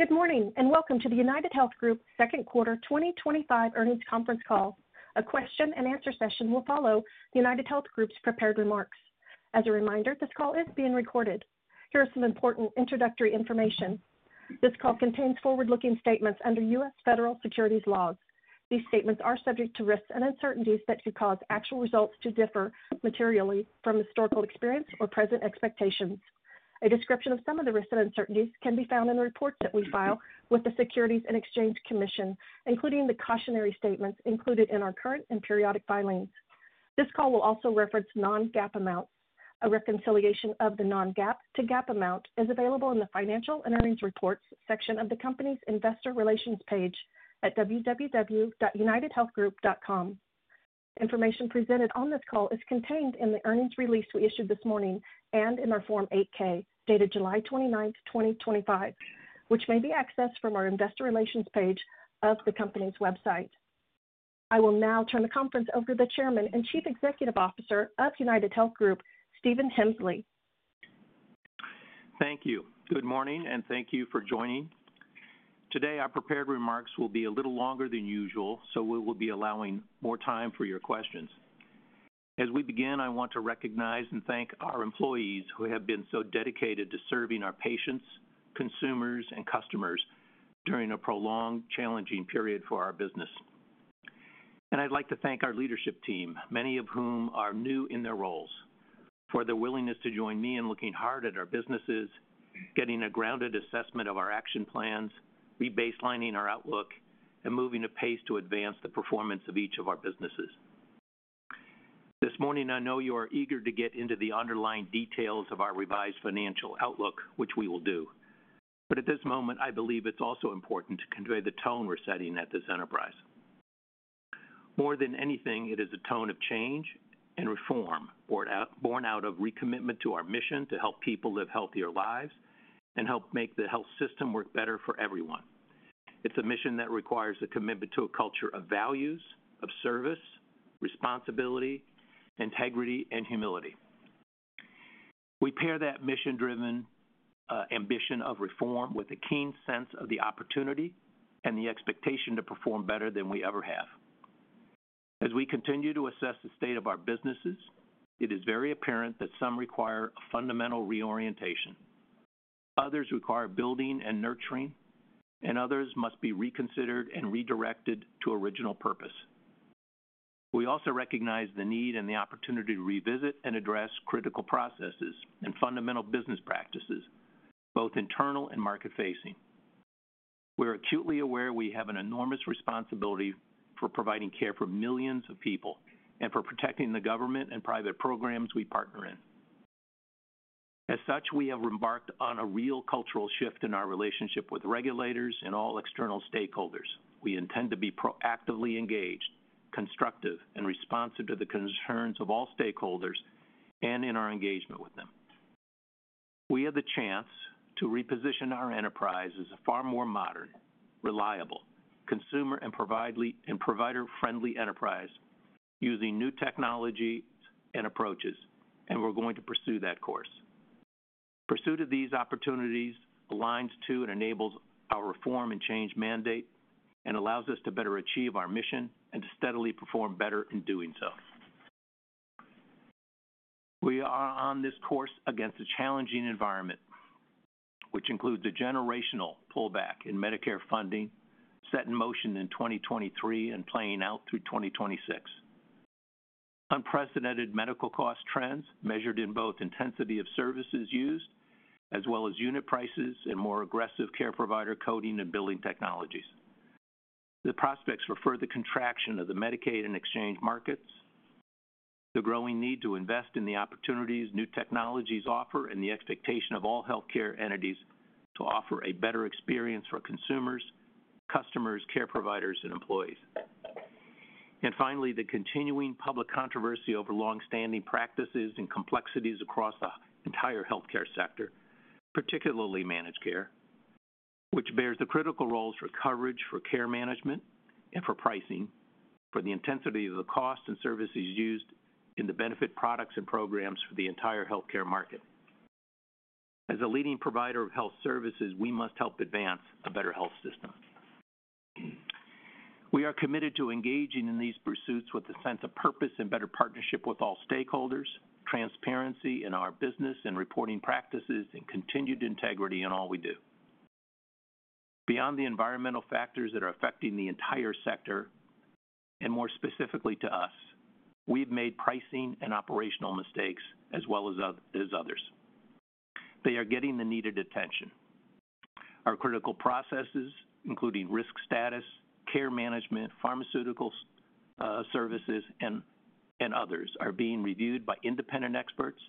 Good morning and welcome to the UnitedHealth Group's second quarter 2025 earnings conference call. A question-and-answer session will follow UnitedHealth Group's prepared remarks. As a reminder, this call is being recorded. Here is some important introductory information. This call contains forward-looking statements under U.S. federal securities laws. These statements are subject to risks and uncertainties that could cause actual results to differ materially from historical experience or present expectations. A description of some of the risks and uncertainties can be found in the reports that we file with the Securities and Exchange Commission, including the cautionary statements included in our current and periodic filings. This call will also reference non-GAAP amounts. A reconciliation of the non-GAAP to GAAP amount is available in the financial and earnings reports section of the company's investor relations page at www.unitedhealthgroup.com. Information presented on this call is contained in the earnings release we issued this morning and in our Form 8-K dated July 29th, 2025, which may be accessed from our investor relations page of the company's website. I will now turn the conference over to the Chairman and Chief Executive Officer of UnitedHealth Group, Stephen Hemsley. Thank you. Good morning and thank you for joining. Today, our prepared remarks will be a little longer than usual, so we will be allowing more time for your questions. As we begin, I want to recognize and thank our employees who have been so dedicated to serving our patients, consumers, and customers during a prolonged, challenging period for our business. I would like to thank our leadership team, many of whom are new in their roles, for their willingness to join me in looking hard at our businesses, getting a grounded assessment of our action plans, re-baselining our outlook, and moving a pace to advance the performance of each of our businesses. This morning, I know you are eager to get into the underlying details of our revised financial outlook, which we will do. At this moment, I believe it's also important to convey the tone we're setting at this enterprise. More than anything, it is a tone of change and reform born out of recommitment to our mission to help people live healthier lives and help make the health system work better for everyone. It's a mission that requires a commitment to a culture of values, of service, responsibility, integrity, and humility. We pair that mission-driven ambition of reform with a keen sense of the opportunity and the expectation to perform better than we ever have. As we continue to assess the state of our businesses, it is very apparent that some require a fundamental reorientation, others require building and nurturing, and others must be reconsidered and redirected to original purpose. We also recognize the need and the opportunity to revisit and address critical processes and fundamental business practices, both internal and market-facing. We are acutely aware we have an enormous responsibility for providing care for millions of people and for protecting the government and private programs we partner in. As such, we have embarked on a real cultural shift in our relationship with regulators and all external stakeholders. We intend to be proactively engaged, constructive, and responsive to the concerns of all stakeholders and in our engagement with them. We have the chance to reposition our enterprise as a far more modern, reliable, consumer, and provider-friendly enterprise using new technologies and approaches, and we're going to pursue that course. The pursuit of these opportunities aligns to and enables our reform and change mandate and allows us to better achieve our mission and to steadily perform better in doing so. We are on this course against a challenging environment, which includes a generational pullback in Medicare funding set in motion in 2023 and playing out through 2026. Unprecedented medical cost trends measured in both intensity of services used as well as unit prices and more aggressive care provider coding and billing technologies. The prospects for further contraction of the Medicaid and exchange markets, the growing need to invest in the opportunities new technologies offer, and the expectation of all healthcare entities to offer a better experience for consumers, customers, care providers, and employees. Finally, the continuing public controversy over longstanding practices and complexities across the entire healthcare sector, particularly managed care, which bears the critical roles for coverage, for care management, and for pricing, for the intensity of the cost and services used in the benefit products and programs for the entire healthcare market. As a leading provider of health services, we must help advance a better health system. We are committed to engaging in these pursuits with a sense of purpose and better partnership with all stakeholders, transparency in our business and reporting practices, and continued integrity in all we do. Beyond the environmental factors that are affecting the entire sector, and more specifically to us, we have made pricing and operational mistakes as well as others. They are getting the needed attention. Our critical processes, including risk status, care management, pharmaceutical services, and others, are being reviewed by independent experts,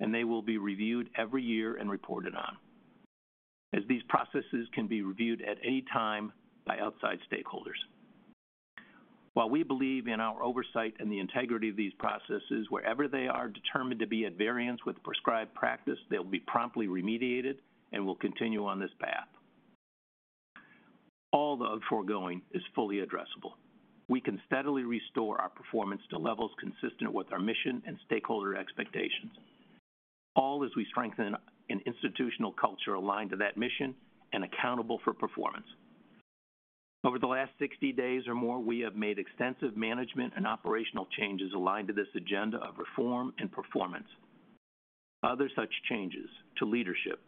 and they will be reviewed every year and reported on, as these processes can be reviewed at any time by outside stakeholders. While we believe in our oversight and the integrity of these processes, wherever they are determined to be at variance with prescribed practice, they will be promptly remediated and will continue on this path. All the foregoing is fully addressable. We can steadily restore our performance to levels consistent with our mission and stakeholder expectations, all as we strengthen an institutional culture aligned to that mission and accountable for performance. Over the last 60 days or more, we have made extensive management and operational changes aligned to this agenda of reform and performance. Other such changes to leadership,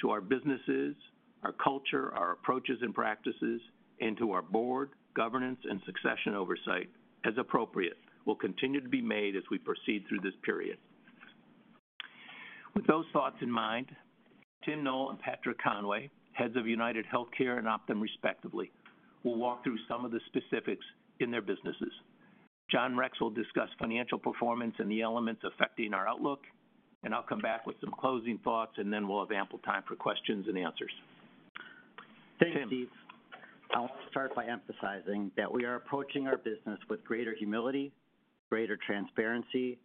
to our businesses, our culture, our approaches and practices, and to our board, governance, and succession oversight as appropriate will continue to be made as we proceed through this period. With those thoughts in mind, Tim Noel and Patrick Conway, heads of UnitedHealthcare and Optum, respectively, will walk through some of the specifics in their businesses. John Rex will discuss financial performance and the elements affecting our outlook, and I'll come back with some closing thoughts, and then we'll have ample time for questions and answers. Thank you, Steve. I want to start by emphasizing that we are approaching our business with greater humility, greater transparency,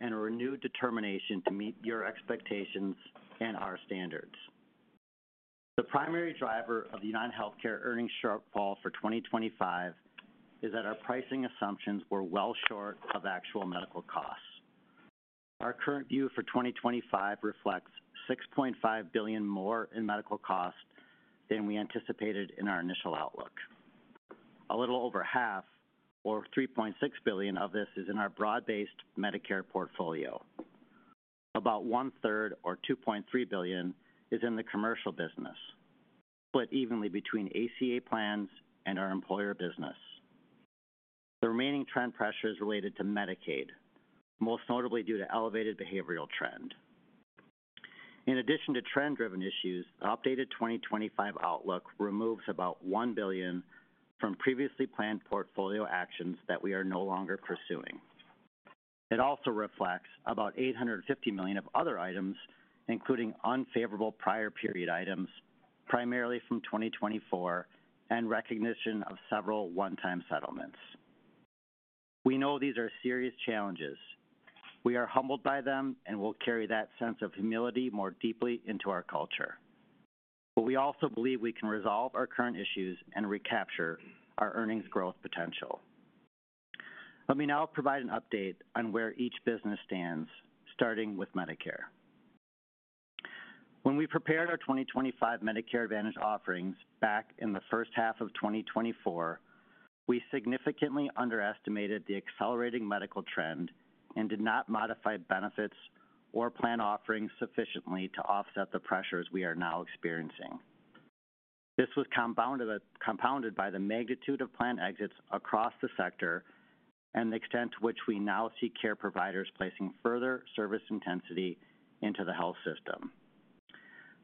and a renewed determination to meet your expectations and our standards. The primary driver of the UnitedHealthcare earnings shortfall for 2025 is that our pricing assumptions were well short of actual medical costs. Our current view for 2025 reflects $6.5 billion more in medical costs than we anticipated in our initial outlook. A little over half, or $3.6 billion of this, is in our broad-based Medicare portfolio. About 1/3, or $2.3 billion, is in the commercial business, split evenly between ACA plans and our employer business. The remaining trend pressure is related to Medicaid, most notably due to an elevated behavioral trend. In addition to trend-driven issues, the updated 2025 outlook removes about $1 billion from previously planned portfolio actions that we are no longer pursuing. It also reflects about $850 million of other items, including unfavorable prior period items, primarily from 2024, and recognition of several one-time settlements. We know these are serious challenges. We are humbled by them and will carry that sense of humility more deeply into our culture. We also believe we can resolve our current issues and recapture our earnings growth potential. Let me now provide an update on where each business stands, starting with Medicare. When we prepared our 2025 Medicare Advantage offerings back in the first half of 2024, we significantly underestimated the accelerating medical trend and did not modify benefits or plan offerings sufficiently to offset the pressures we are now experiencing. This was compounded by the magnitude of planned exits across the sector and the extent to which we now see care providers placing further service intensity into the health system.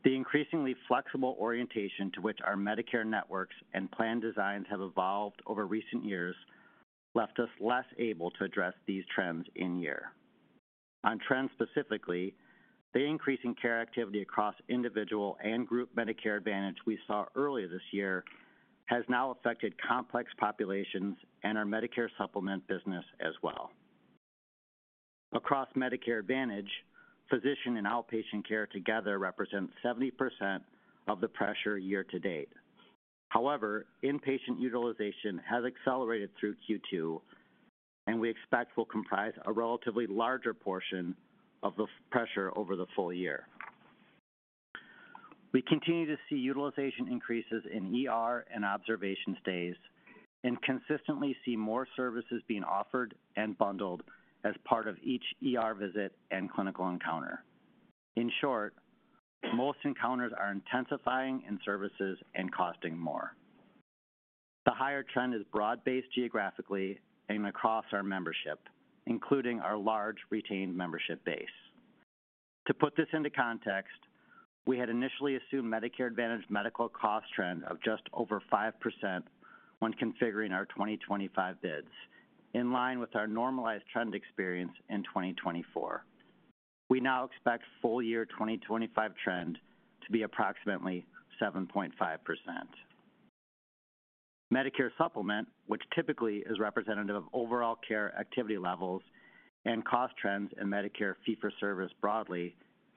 The increasingly flexible orientation to which our Medicare networks and plan designs have evolved over recent years left us less able to address these trends in year. On trends specifically, the increase in care activity across individual and group Medicare Advantage we saw earlier this year has now affected complex populations and our Medicare supplement business as well. Across Medicare Advantage, physician and outpatient care together represents 70% of the pressure year to date. However, inpatient utilization has accelerated through Q2, and we expect will comprise a relatively larger portion of the pressure over the full year. We continue to see utilization increases in and observation stays and consistently see more services being offered and bundled as part of each visit and clinical encounter. In short, most encounters are intensifying in services and costing more. The higher trend is broad-based geographically and across our membership, including our large retained membership base. To put this into context, we had initially assumed Medicare Advantage medical cost trend of just over 5% when configuring our 2025 bids, in line with our normalized trend experience in 2024. We now expect full year 2025 trend to be approximately 7.5%. Medicare supplement, which typically is representative of overall care activity levels and cost trends in Medicare fee-for-service broadly,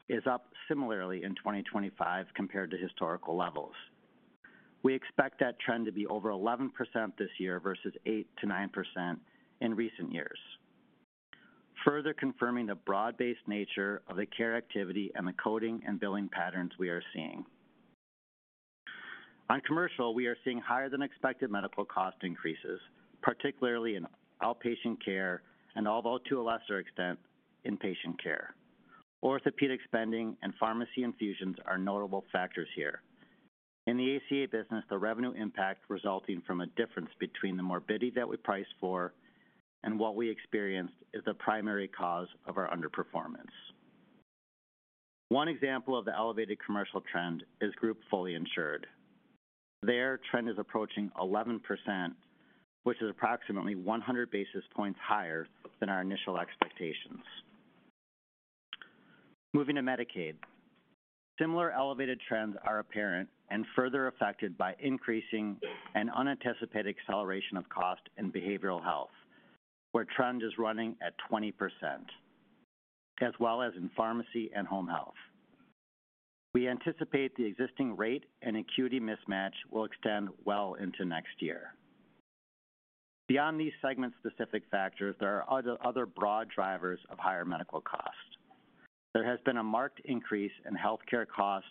is up similarly in 2025 compared to historical levels. We expect that trend to be over 11% this year versus 8%-9% in recent years, further confirming the broad-based nature of the care activity and the coding and billing patterns we are seeing. On commercial, we are seeing higher than expected medical cost increases, particularly in outpatient care and, although to a lesser extent, inpatient care. Orthopedic spending and pharmacy infusions are notable factors here. In the ACA business, the revenue impact resulting from a difference between the morbidity that we price for and what we experienced is the primary cause of our underperformance. One example of the elevated commercial trend is group fully insured. Their trend is approaching 11%, which is approximately 100 basis points higher than our initial expectations. Moving to Medicaid, similar elevated trends are apparent and further affected by increasing and unanticipated acceleration of cost and behavioral health, where trend is running at 20%, as well as in pharmacy and home health. We anticipate the existing rate and acuity mismatch will extend well into next year. Beyond these segment-specific factors, there are other broad drivers of higher medical cost. There has been a marked increase in healthcare cost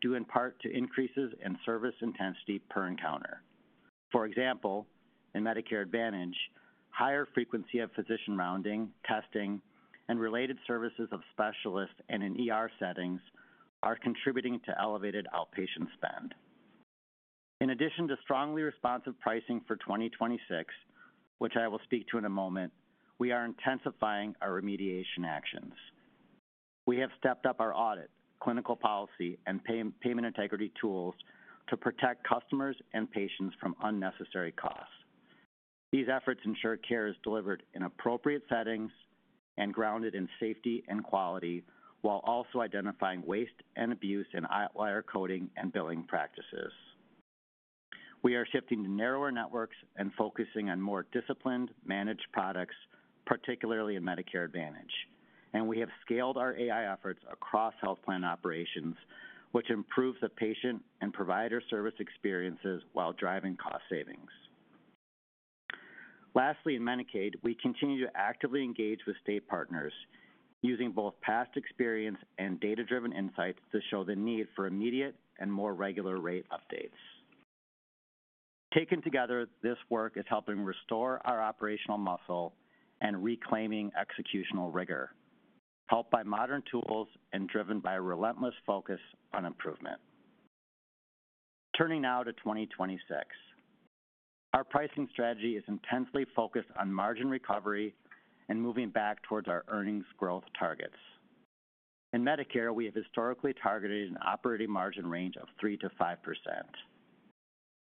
due in part to increases in service intensity per encounter. For example, in Medicare Advantage, higher frequency of physician rounding, testing, and related services of specialists and in settings are contributing to elevated outpatient spend. In addition to strongly responsive pricing for 2026, which I will speak to in a moment, we are intensifying our remediation actions. We have stepped up our audit, clinical policy, and payment integrity tools to protect customers and patients from unnecessary costs. These efforts ensure care is delivered in appropriate settings and grounded in safety and quality while also identifying waste and abuse in outlier coding and billing practices. We are shifting to narrower networks and focusing on more disciplined, managed products, particularly in Medicare Advantage. We have scaled our AI efforts across health plan operations, which improves the patient and provider service experiences while driving cost savings. Lastly, in Medicaid, we continue to actively engage with state partners using both past experience and data-driven insights to show the need for immediate and more regular rate updates. Taken together, this work is helping restore our operational muscle and reclaiming executional rigor, helped by modern tools and driven by a relentless focus on improvement. Turning now to 2026, our pricing strategy is intensely focused on margin recovery and moving back towards our earnings growth targets. In Medicare, we have historically targeted an operating margin range of 3%-5%.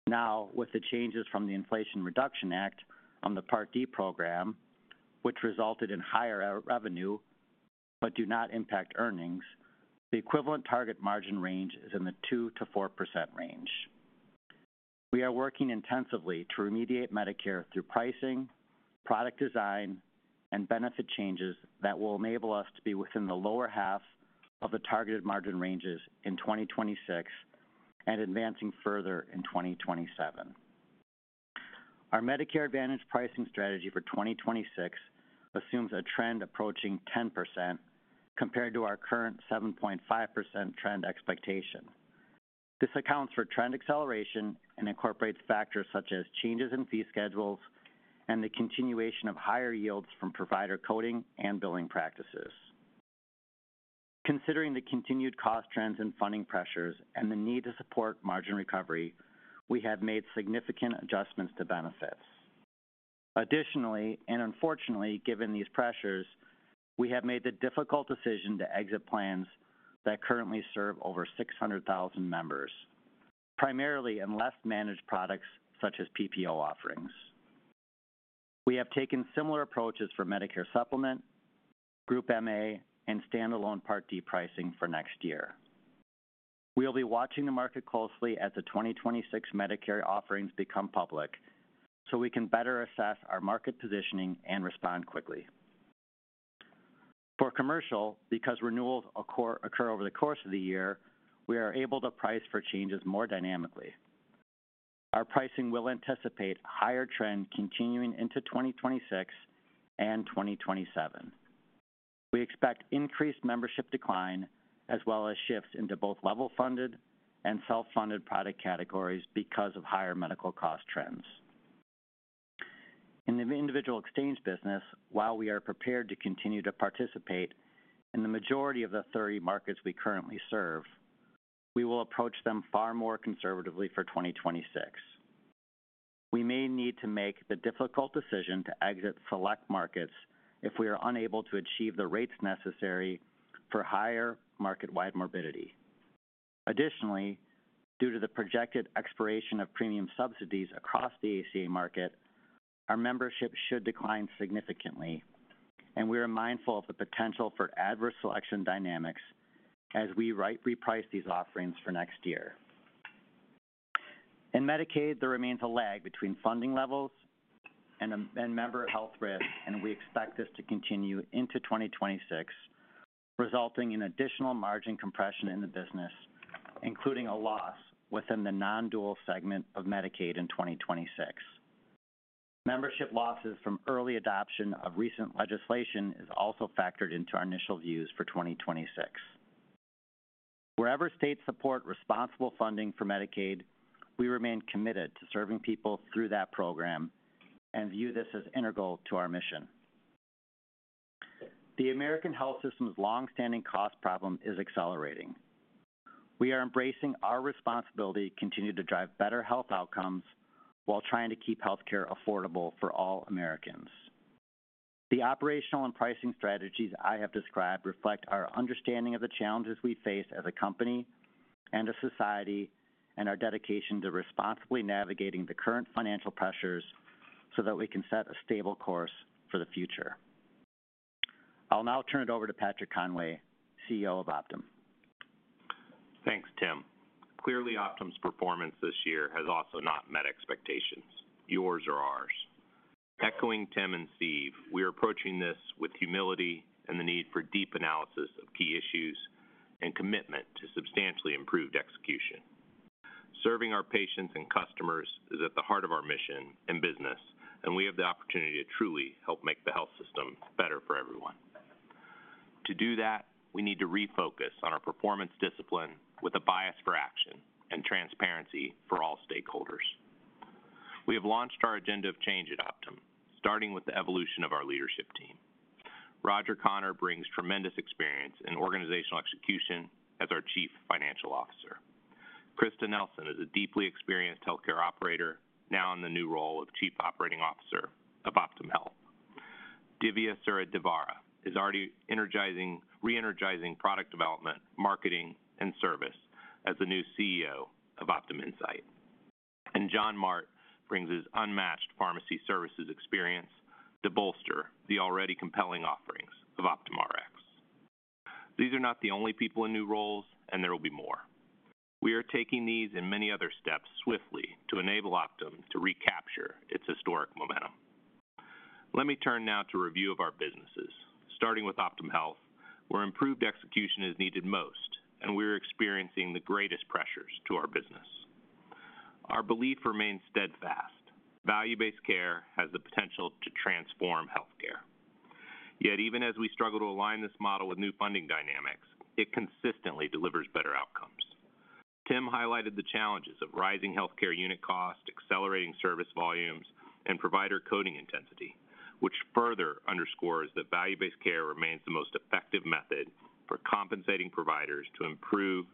Now, with the changes from the Inflation Reduction Act on the Part D program, which resulted in higher revenue but do not impact earnings, the equivalent target margin range is in the 2%-4% range. We are working intensively to remediate Medicare through pricing, product design, and benefit changes that will enable us to be within the lower half of the targeted margin ranges in 2026 and advancing further in 2027. Our Medicare Advantage pricing strategy for 2026 assumes a trend approaching 10% compared to our current 7.5% trend expectation. This accounts for trend acceleration and incorporates factors such as changes in fee schedules and the continuation of higher yields from provider coding and billing practices. Considering the continued cost trends and funding pressures and the need to support margin recovery, we have made significant adjustments to benefits. Additionally, and unfortunately, given these pressures, we have made the difficult decision to exit plans that currently serve over 600,000 members, primarily in less managed products such as PPO offerings. We have taken similar approaches for Medicare supplement, Group MA, and standalone Part D pricing for next year. We will be watching the market closely as the 2026 Medicare offerings become public so we can better assess our market positioning and respond quickly. For commercial, because renewals occur over the course of the year, we are able to price for changes more dynamically. Our pricing will anticipate higher trends continuing into 2026 and 2027. We expect increased membership decline as well as shifts into both level-funded and self-funded product categories because of higher medical cost trends. In the individual exchange business, while we are prepared to continue to participate in the majority of the 30 markets we currently serve, we will approach them far more conservatively for 2026. We may need to make the difficult decision to exit select markets if we are unable to achieve the rates necessary for higher market-wide morbidity. Additionally, due to the projected expiration of premium subsidies across the ACA market, our membership should decline significantly, and we are mindful of the potential for adverse selection dynamics as we reprice these offerings for next year. In Medicaid, there remains a lag between funding levels and member health risk, and we expect this to continue into 2026, resulting in additional margin compression in the business, including a loss within the non-dual segment of Medicaid in 2026. Membership losses from early adoption of recent legislation are also factored into our initial views for 2026. Wherever states support responsible funding for Medicaid, we remain committed to serving people through that program and view this as integral to our mission. The American health system's long-standing cost problem is accelerating. We are embracing our responsibility to continue to drive better health outcomes while trying to keep healthcare affordable for all Americans. The operational and pricing strategies I have described reflect our understanding of the challenges we face as a company and a society and our dedication to responsibly navigating the current financial pressures so that we can set a stable course for the future. I'll now turn it over to Patrick Conway, CEO of Optum. Thanks, Tim. Clearly, Optum's performance this year has also not met expectations, yours or ours. Echoing Tim and Steve, we are approaching this with humility and the need for deep analysis of key issues and commitment to substantially improved execution. Serving our patients and customers is at the heart of our mission and business, and we have the opportunity to truly help make the health system better for everyone. To do that, we need to refocus on our performance discipline with a bias for action and transparency for all stakeholders. We have launched our agenda of change at Optum, starting with the evolution of our leadership team. Roger Connor brings tremendous experience in organizational execution as our Chief Financial Officer. Krista Nelson is a deeply experienced healthcare operator, now in the new role of Chief Operating Officer of Optum Health. Dhivya Suryadevara is already re-energizing product development, marketing, and service as the new CEO of Optum Insight. John Prince brings his unmatched pharmacy services experience to bolster the already compelling offerings of Optum Rx. These are not the only people in new roles, and there will be more. We are taking these and many other steps swiftly to enable Optum to recapture its historic momentum. Let me turn now to review of our businesses. Starting with Optum Health, where improved execution is needed most, and we are experiencing the greatest pressures to our business. Our belief remains steadfast: value-based care has the potential to transform healthcare. Yet, even as we struggle to align this model with new funding dynamics, it consistently delivers better outcomes. Tim highlighted the challenges of rising healthcare unit cost, accelerating service volumes, and provider coding intensity, which further underscores that value-based care remains the most effective method for compensating providers to improve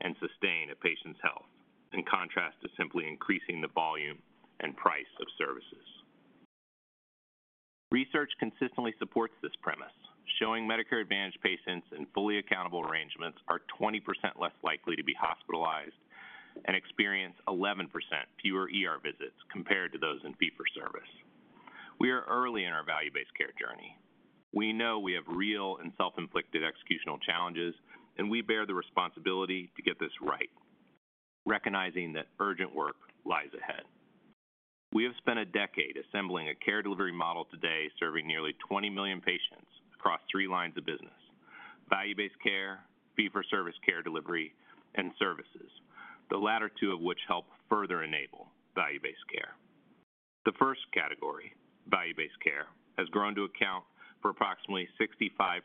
and sustain a patient's health in contrast to simply increasing the volume and price of services. Research consistently supports this premise, showing Medicare Advantage patients in fully accountable arrangements are 20% less likely to be hospitalized and experience 11% fewer visits compared to those in fee-for-service. We are early in our value-based care journey. We know we have real and self-inflicted executional challenges, and we bear the responsibility to get this right, recognizing that urgent work lies ahead. We have spent a decade assembling a care delivery model today serving nearly 20 million patients across three lines of business: value-based care, fee-for-service care delivery, and services, the latter two of which help further enable value-based care. The first category, value-based care, has grown to account for approximately 65%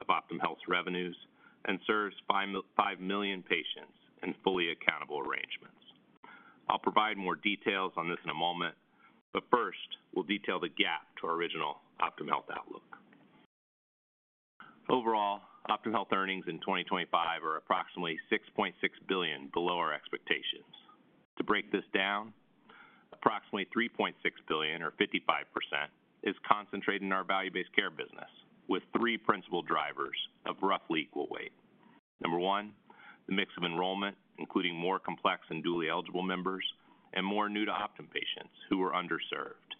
of Optum Health's revenues and serves 5 million patients in fully accountable arrangements. I'll provide more details on this in a moment, but first, we'll detail the gap to our original Optum Health outlook. Overall, Optum Health earnings in 2025 are approximately $6.6 billion below our expectations. To break this down, approximately $3.6 billion, or 55%, is concentrated in our value-based care business with three principal drivers of roughly equal weight. Number one, the mix of enrollment, including more complex and dually eligible members and more new-to-Optum patients who are underserved.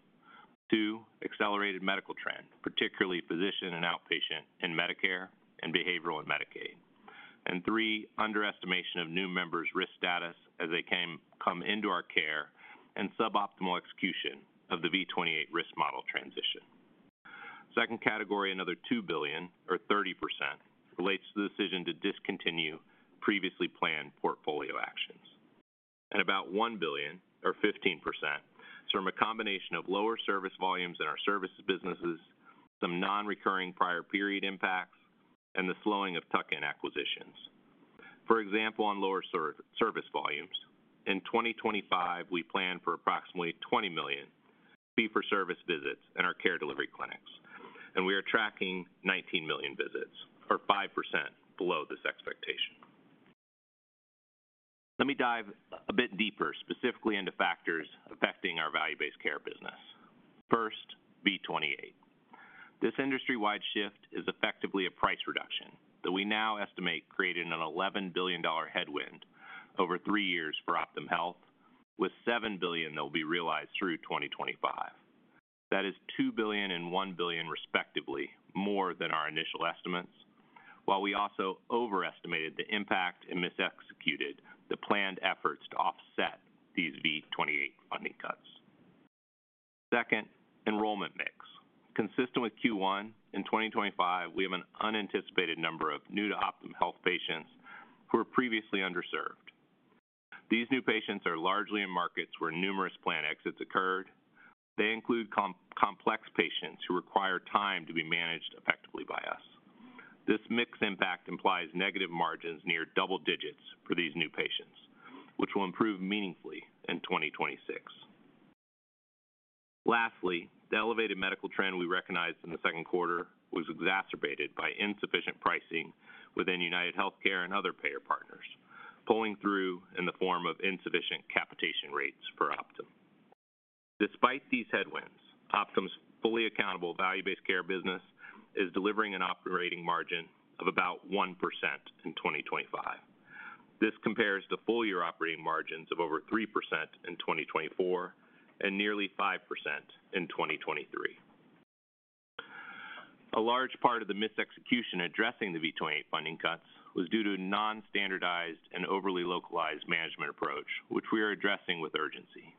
Two, accelerated medical trend, particularly physician and outpatient in Medicare and behavioral in Medicaid. Three, underestimation of new members' risk status as they come into our care and suboptimal execution of the V28 risk model transition. Second category, another $2 billion, or 30%, relates to the decision to discontinue previously planned portfolio actions. About $1 billion, or 15%, is from a combination of lower service volumes in our services businesses, some non-recurring prior period impacts, and the slowing of tuck-in acquisitions. For example, on lower service volumes, in 2025, we plan for approximately 20 million fee-for-service visits in our care delivery clinics, and we are tracking 19 million visits, or 5% below this expectation. Let me dive a bit deeper, specifically into factors affecting our value-based care business. First, V28. This industry-wide shift is effectively a price reduction that we now estimate created an $11 billion headwind over three years for Optum Health, with $7 billion that will be realized through 2025. That is $2 billion and $1 billion, respectively, more than our initial estimates, while we also overestimated the impact and mis-executed the planned efforts to offset these V28 funding cuts. Second, enrollment mix. Consistent with Q1, in 2025, we have an unanticipated number of new-to-Optum Health patients who are previously underserved. These new patients are largely in markets where numerous plan exits occurred. They include complex patients who require time to be managed effectively by us. This mixed impact implies negative margins near double digits for these new patients, which will improve meaningfully in 2026. Lastly, the elevated medical trend we recognized in the second quarter was exacerbated by insufficient pricing within UnitedHealthcare and other payer partners, pulling through in the form of insufficient capitation rates for Optum. Despite these headwinds, Optum's fully accountable value-based care business is delivering an operating margin of about 1% in 2025. This compares to full-year operating margins of over 3% in 2024 and nearly 5% in 2023. A large part of the mis-execution addressing the V28 funding cuts was due to non-standardized and overly localized management approach, which we are addressing with urgency.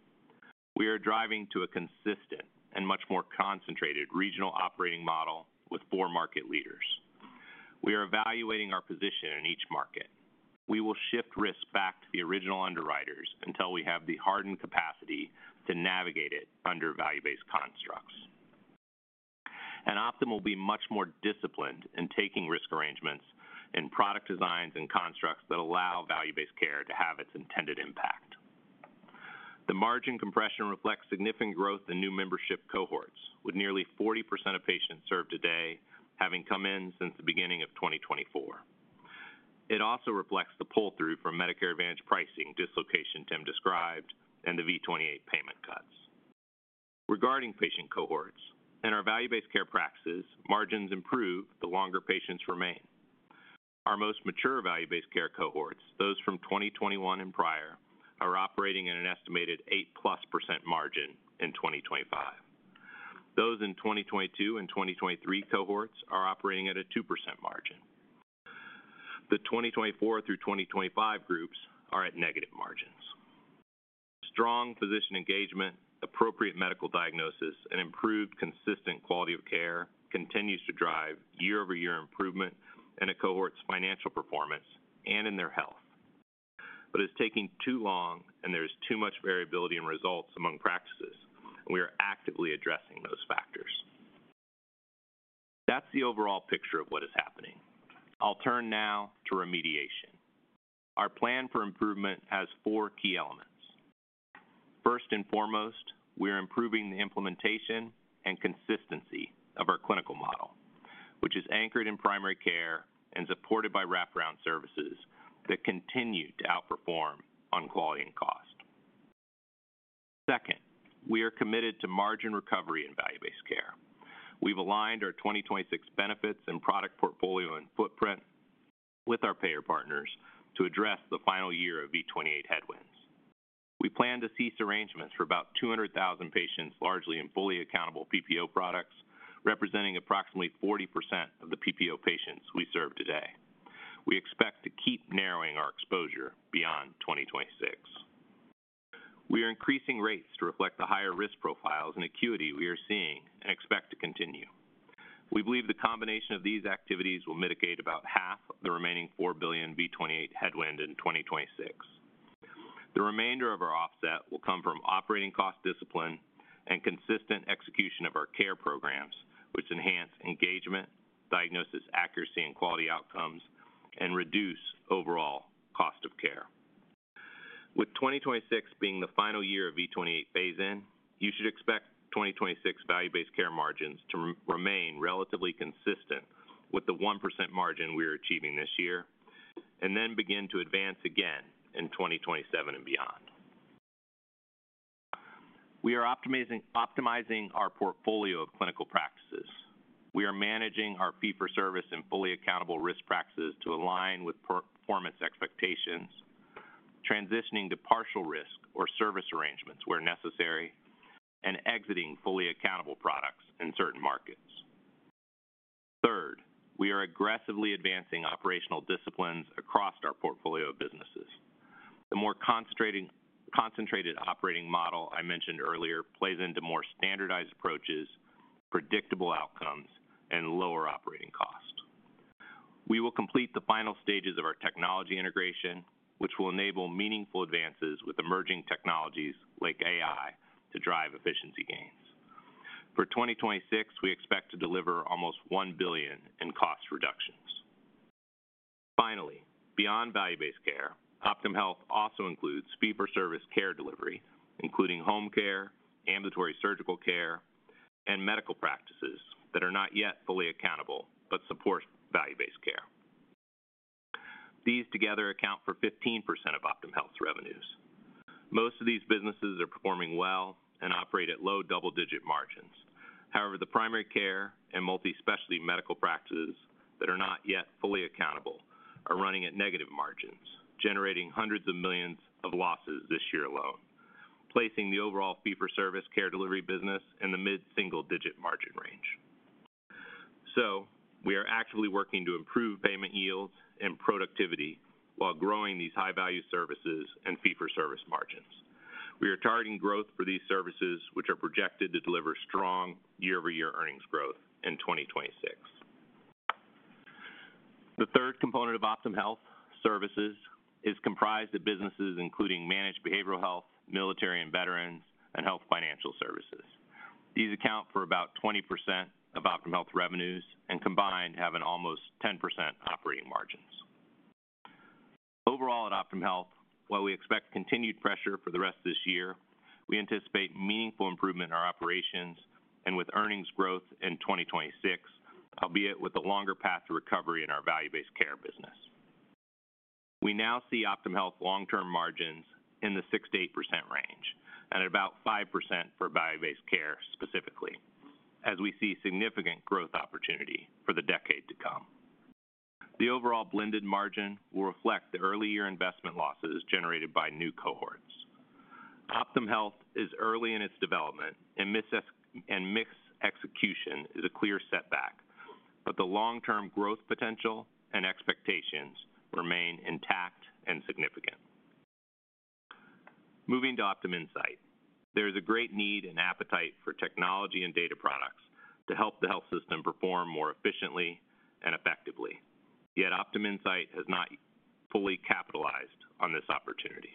We are driving to a consistent and much more concentrated regional operating model with four market leaders. We are evaluating our position in each market. We will shift risk back to the original underwriters until we have the hardened capacity to navigate it under value-based constructs. Optum will be much more disciplined in taking risk arrangements in product designs and constructs that allow value-based care to have its intended impact. The margin compression reflects significant growth in new membership cohorts, with nearly 40% of patients served today having come in since the beginning of 2024. It also reflects the pull-through from Medicare Advantage pricing dislocation Tim described and the V28 payment cuts. Regarding patient cohorts, in our value-based care practices, margins improve the longer patients remain. Our most mature value-based care cohorts, those from 2021 and prior, are operating at an estimated 8%+ margin in 2025. Those in 2022 and 2023 cohorts are operating at a 2% margin. The 2024 through 2025 groups are at negative margins. Strong physician engagement, appropriate medical diagnosis, and improved consistent quality of care continue to drive year-over-year improvement in a cohort's financial performance and in their health. It is taking too long, and there is too much variability in results among practices, and we are actively addressing those factors. That is the overall picture of what is happening. I'll turn now to remediation. Our plan for improvement has four key elements. First and foremost, we are improving the implementation and consistency of our clinical model, which is anchored in primary care and supported by wraparound services that continue to outperform on quality and cost. Second, we are committed to margin recovery in value-based care. We have aligned our 2026 benefits and product portfolio and footprint with our payer partners to address the final year of V28 headwinds. We plan to cease arrangements for about 200,000 patients, largely in fully accountable PPO products, representing approximately 40% of the PPO patients we serve today. We expect to keep narrowing our exposure beyond 2026. We are increasing rates to reflect the higher risk profiles and acuity we are seeing and expect to continue. We believe the combination of these activities will mitigate about half of the remaining $4 billion V28 headwind in 2026. The remainder of our offset will come from operating cost discipline and consistent execution of our care programs, which enhance engagement, diagnosis accuracy, and quality outcomes, and reduce overall cost of care. With 2026 being the final year of V28 phase-in, you should expect 2026 value-based care margins to remain relatively consistent with the 1% margin we are achieving this year and then begin to advance again in 2027 and beyond. We are optimizing our portfolio of clinical practices. We are managing our fee-for-service and fully accountable risk practices to align with performance expectations, transitioning to partial risk or service arrangements where necessary, and exiting fully accountable products in certain markets. Third, we are aggressively advancing operational disciplines across our portfolio of businesses. The more concentrated operating model I mentioned earlier plays into more standardized approaches, predictable outcomes, and lower operating costs. We will complete the final stages of our technology integration, which will enable meaningful advances with emerging technologies like AI to drive efficiency gains. For 2026, we expect to deliver almost $1 billion in cost reductions. Finally, beyond value-based care, Optum Health also includes fee-for-service care delivery, including home care, ambulatory surgical care, and medical practices that are not yet fully accountable but support value-based care. These together account for 15% of Optum Health's revenues. Most of these businesses are performing well and operate at low double-digit margins. However, the primary care and multi-specialty medical practices that are not yet fully accountable are running at negative margins, generating hundreds of millions of losses this year alone, placing the overall fee-for-service care delivery business in the mid-single-digit margin range. We are actively working to improve payment yields and productivity while growing these high-value services and fee-for-service margins. We are targeting growth for these services, which are projected to deliver strong year-over-year earnings growth in 2026. The third component of Optum Health services is comprised of businesses including managed behavioral health, military and veterans, and health financial services. These account for about 20% of Optum Health revenues and combined have an almost 10% operating margins. Overall, at Optum Health, while we expect continued pressure for the rest of this year, we anticipate meaningful improvement in our operations and with earnings growth in 2026, albeit with a longer path to recovery in our value-based care business. We now see Optum Health long-term margins in the 6%-8% range and at about 5% for value-based care specifically, as we see significant growth opportunity for the decade to come. The overall blended margin will reflect the early-year investment losses generated by new cohorts. Optum Health is early in its development, and mis-execution is a clear setback, but the long-term growth potential and expectations remain intact and significant. Moving to Optum Insight, there is a great need and appetite for technology and data products to help the health system perform more efficiently and effectively. Yet Optum Insight has not fully capitalized on this opportunity.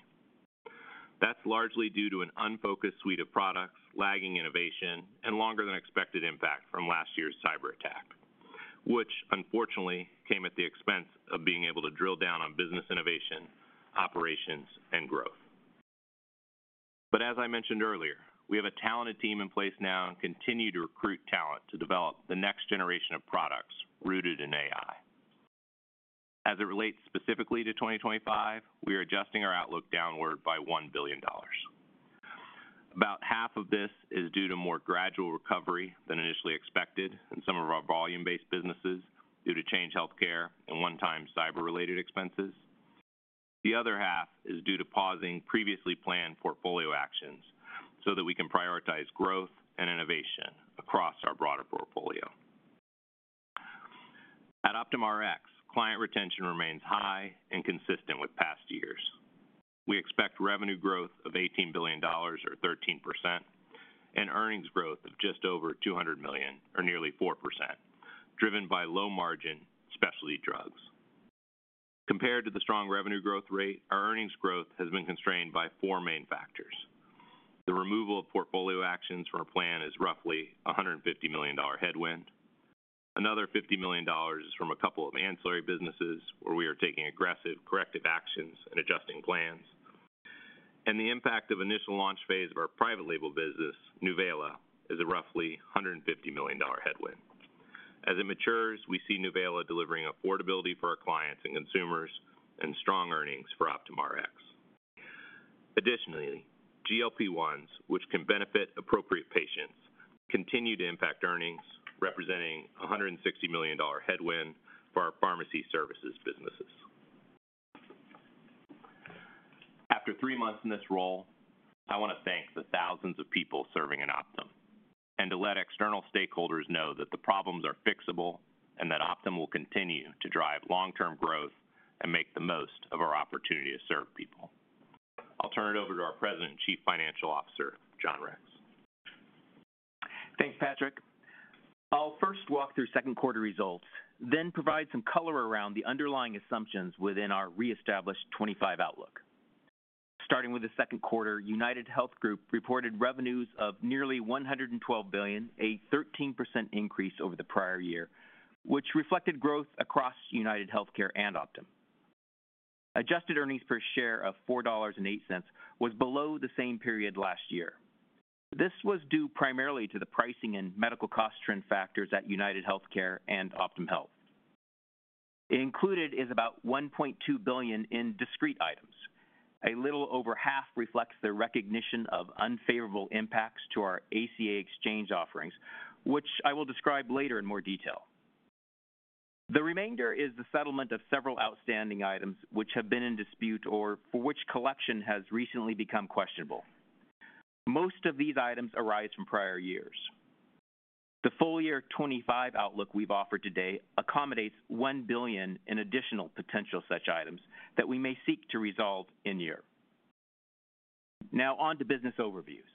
That's largely due to an unfocused suite of products, lagging innovation, and longer-than-expected impact from last year's cyber attack, which unfortunately came at the expense of being able to drill down on business innovation, operations, and growth. As I mentioned earlier, we have a talented team in place now and continue to recruit talent to develop the next generation of products rooted in AI. As it relates specifically to 2025, we are adjusting our outlook downward by $1 billion. About half of this is due to more gradual recovery than initially expected in some of our volume-based businesses due to changed healthcare and one-time cyber-related expenses. The other half is due to pausing previously planned portfolio actions so that we can prioritize growth and innovation across our broader portfolio. At Optum Rx, client retention remains high and consistent with past years. We expect revenue growth of $18 billion, or 13%, and earnings growth of just over $200 million, or nearly 4%, driven by low-margin specialty drugs. Compared to the strong revenue growth rate, our earnings growth has been constrained by four main factors. The removal of portfolio actions from our plan is roughly a $150 million headwind. Another $50 million is from a couple of ancillary businesses where we are taking aggressive corrective actions and adjusting plans. The impact of the initial launch phase of our private label business, Nuvaila, is a roughly $150 million headwind. As it matures, we see Nuvaila delivering affordability for our clients and consumers and strong earnings for Optum Rx. Additionally, GLP-1s, which can benefit appropriate patients, continue to impact earnings, representing a $160 million headwind for our pharmacy services businesses. After three months in this role, I want to thank the thousands of people serving in Optum and to let external stakeholders know that the problems are fixable and that Optum will continue to drive long-term growth and make the most of our opportunity to serve people. I'll turn it over to our President and Chief Financial Officer, John Rex. Thanks, Patrick. I'll first walk through second quarter results, then provide some color around the underlying assumptions within our re-established 2025 outlook. Starting with the second quarter, UnitedHealth Group reported revenues of nearly $112 billion, a 13% increase over the prior year, which reflected growth across UnitedHealthcare and Optum. Adjusted earnings per share of $4.08 was below the same period last year. This was due primarily to the pricing and medical cost trend factors at UnitedHealthcare and Optum Health. It included about $1.2 billion in discrete items. A little over half reflects the recognition of unfavorable impacts to our ACA exchange offerings, which I will describe later in more detail. The remainder is the settlement of several outstanding items which have been in dispute or for which collection has recently become questionable. Most of these items arise from prior years. The full-year 2025 outlook we've offered today accommodates $1 billion in additional potential such items that we may seek to resolve in year. Now, on to business overviews.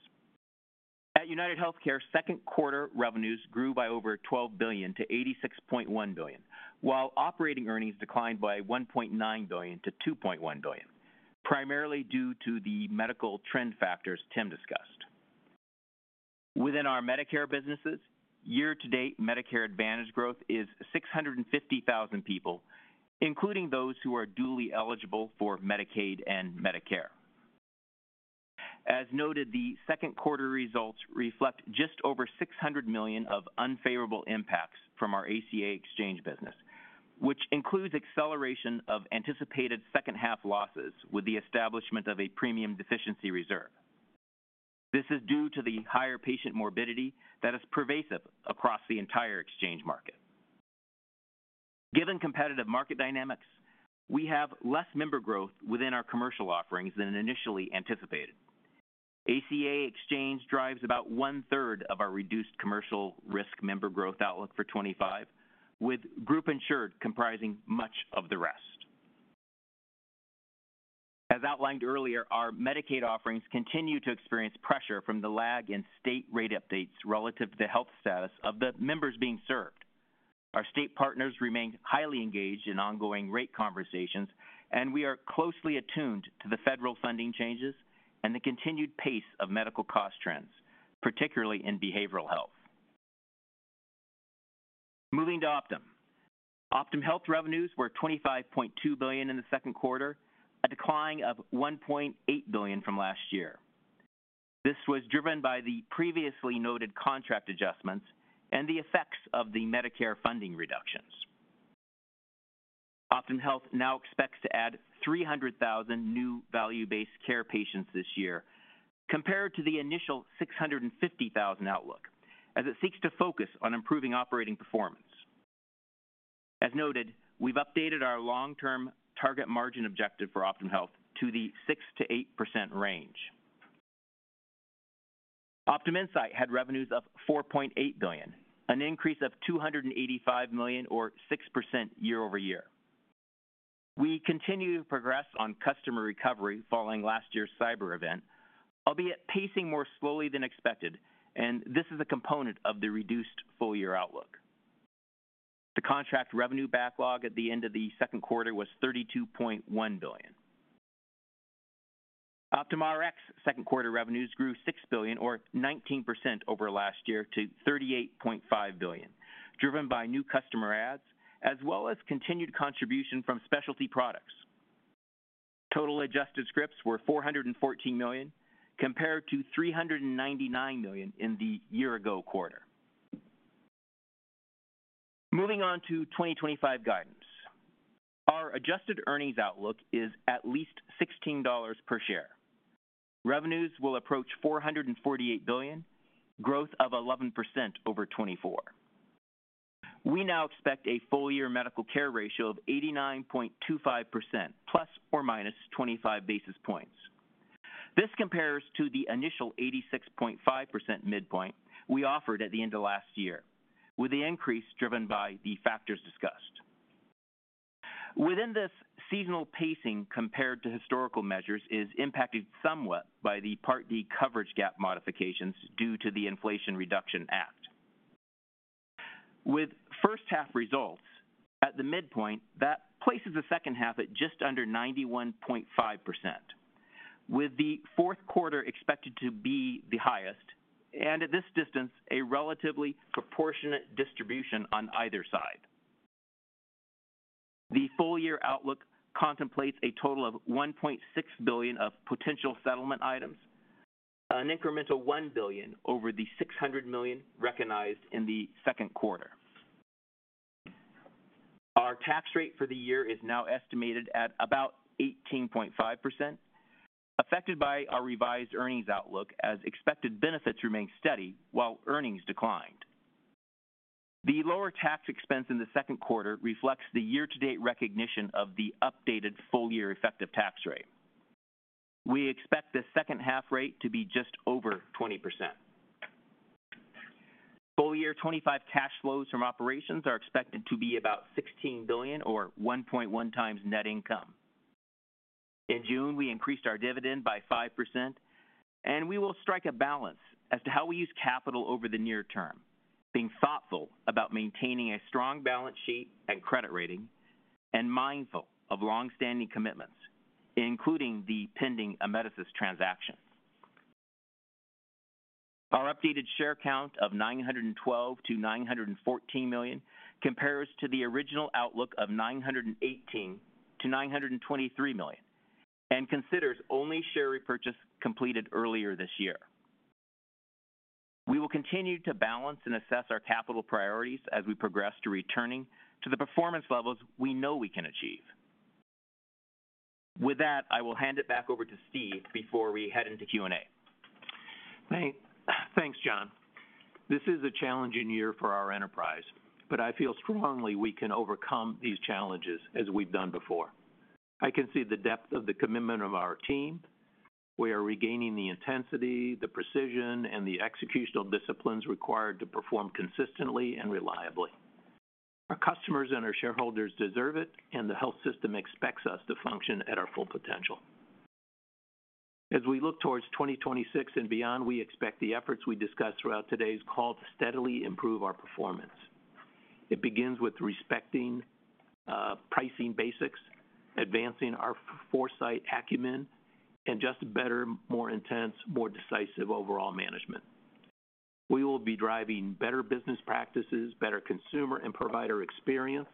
At UnitedHealthcare, second quarter revenues grew by over $12 billion to $86.1 billion, while operating earnings declined by $1.9 billion to $2.1 billion, primarily due to the medical trend factors Tim discussed. Within our Medicare businesses, year-to-date Medicare Advantage growth is 650,000 people, including those who are dually eligible for Medicaid and Medicare. As noted, the second quarter results reflect just over $600 million of unfavorable impacts from our ACA exchange business, which includes acceleration of anticipated second-half losses with the establishment of a premium deficiency reserve. This is due to the higher patient morbidity that is pervasive across the entire exchange market. Given competitive market dynamics, we have less member growth within our commercial offerings than initially anticipated. ACA exchange drives about 1/3 of our reduced commercial risk member growth outlook for 2025, with group insured comprising much of the rest. As outlined earlier, our Medicaid offerings continue to experience pressure from the lag in state rate updates relative to the health status of the members being served. Our state partners remain highly engaged in ongoing rate conversations, and we are closely attuned to the federal funding changes and the continued pace of medical cost trends, particularly in behavioral health. Moving to Optum. Optum Health revenues were $25.2 billion in the second quarter, a decline of $1.8 billion from last year. This was driven by the previously noted contract adjustments and the effects of the Medicare funding reductions. Optum Health now expects to add 300,000 new value-based care patients this year compared to the initial 650,000 outlook, as it seeks to focus on improving operating performance. As noted, we've updated our long-term target margin objective for Optum Health to the 6%-8% range. Optum Insight had revenues of $4.8 billion, an increase of $285 million, or 6% year-over-year. We continue to progress on customer recovery following last year's cyber event, albeit pacing more slowly than expected, and this is a component of the reduced full-year outlook. The contract revenue backlog at the end of the second quarter was $32.1 billion. Optum Rx's second quarter revenues grew $6 billion, or 19% over last year, to $38.5 billion, driven by new customer adds as well as continued contribution from specialty products. Total adjusted scripts were 414 million, compared to 399 million in the year-ago quarter. Moving on to 2025 guidance. Our adjusted earnings outlook is at least $16 per share. Revenues will approach $448 billion, growth of 11% over 2024. We now expect a full-year medical care ratio of 89.25%, ±25 basis points. This compares to the initial 86.5% midpoint we offered at the end of last year, with the increase driven by the factors discussed. Within this, seasonal pacing compared to historical measures is impacted somewhat by the Part D coverage gap modifications due to the Inflation Reduction Act. With first-half results at the midpoint, that places the second half at just under 91.5%, with the fourth quarter expected to be the highest, and at this distance, a relatively proportionate distribution on either side. The full-year outlook contemplates a total of $1.6 billion of potential settlement items, an increment of $1 billion over the $600 million recognized in the second quarter. Our tax rate for the year is now estimated at about 18.5%, affected by our revised earnings outlook as expected benefits remain steady while earnings declined. The lower tax expense in the second quarter reflects the year-to-date recognition of the updated full-year effective tax rate. We expect the second-half rate to be just over 20%. Full-year 2025 cash flows from operations are expected to be about $16 billion, or 1.1 times net income. In June, we increased our dividend by 5%, and we will strike a balance as to how we use capital over the near term, being thoughtful about maintaining a strong balance sheet and credit rating, and mindful of long-standing commitments, including the pending Amedisys transaction. Our updated share count of $912 million-$914 million compares to the original outlook of $918 million-$923 million and considers only share repurchase completed earlier this year. We will continue to balance and assess our capital priorities as we progress to returning to the performance levels we know we can achieve. With that, I will hand it back over to Steve before we head into Q&A. Thanks, John. This is a challenging year for our enterprise, but I feel strongly we can overcome these challenges as we've done before. I can see the depth of the commitment of our team. We are regaining the intensity, the precision, and the executional disciplines required to perform consistently and reliably. Our customers and our shareholders deserve it, and the health system expects us to function at our full potential. As we look towards 2026 and beyond, we expect the efforts we discussed throughout today's call to steadily improve our performance. It begins with respecting pricing basics, advancing our foresight acumen, and just better, more intense, more decisive overall management. We will be driving better business practices, better consumer and provider experience,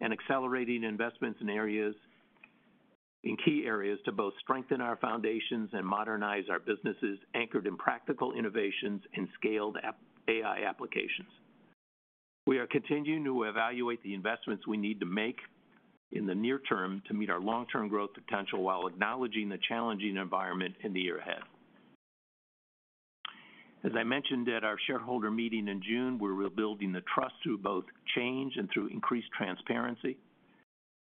and accelerating investments in key areas to both strengthen our foundations and modernize our businesses anchored in practical innovations and scaled AI applications. We are continuing to evaluate the investments we need to make in the near term to meet our long-term growth potential while acknowledging the challenging environment in the year ahead. As I mentioned at our shareholder meeting in June, we're rebuilding the trust through both change and through increased transparency.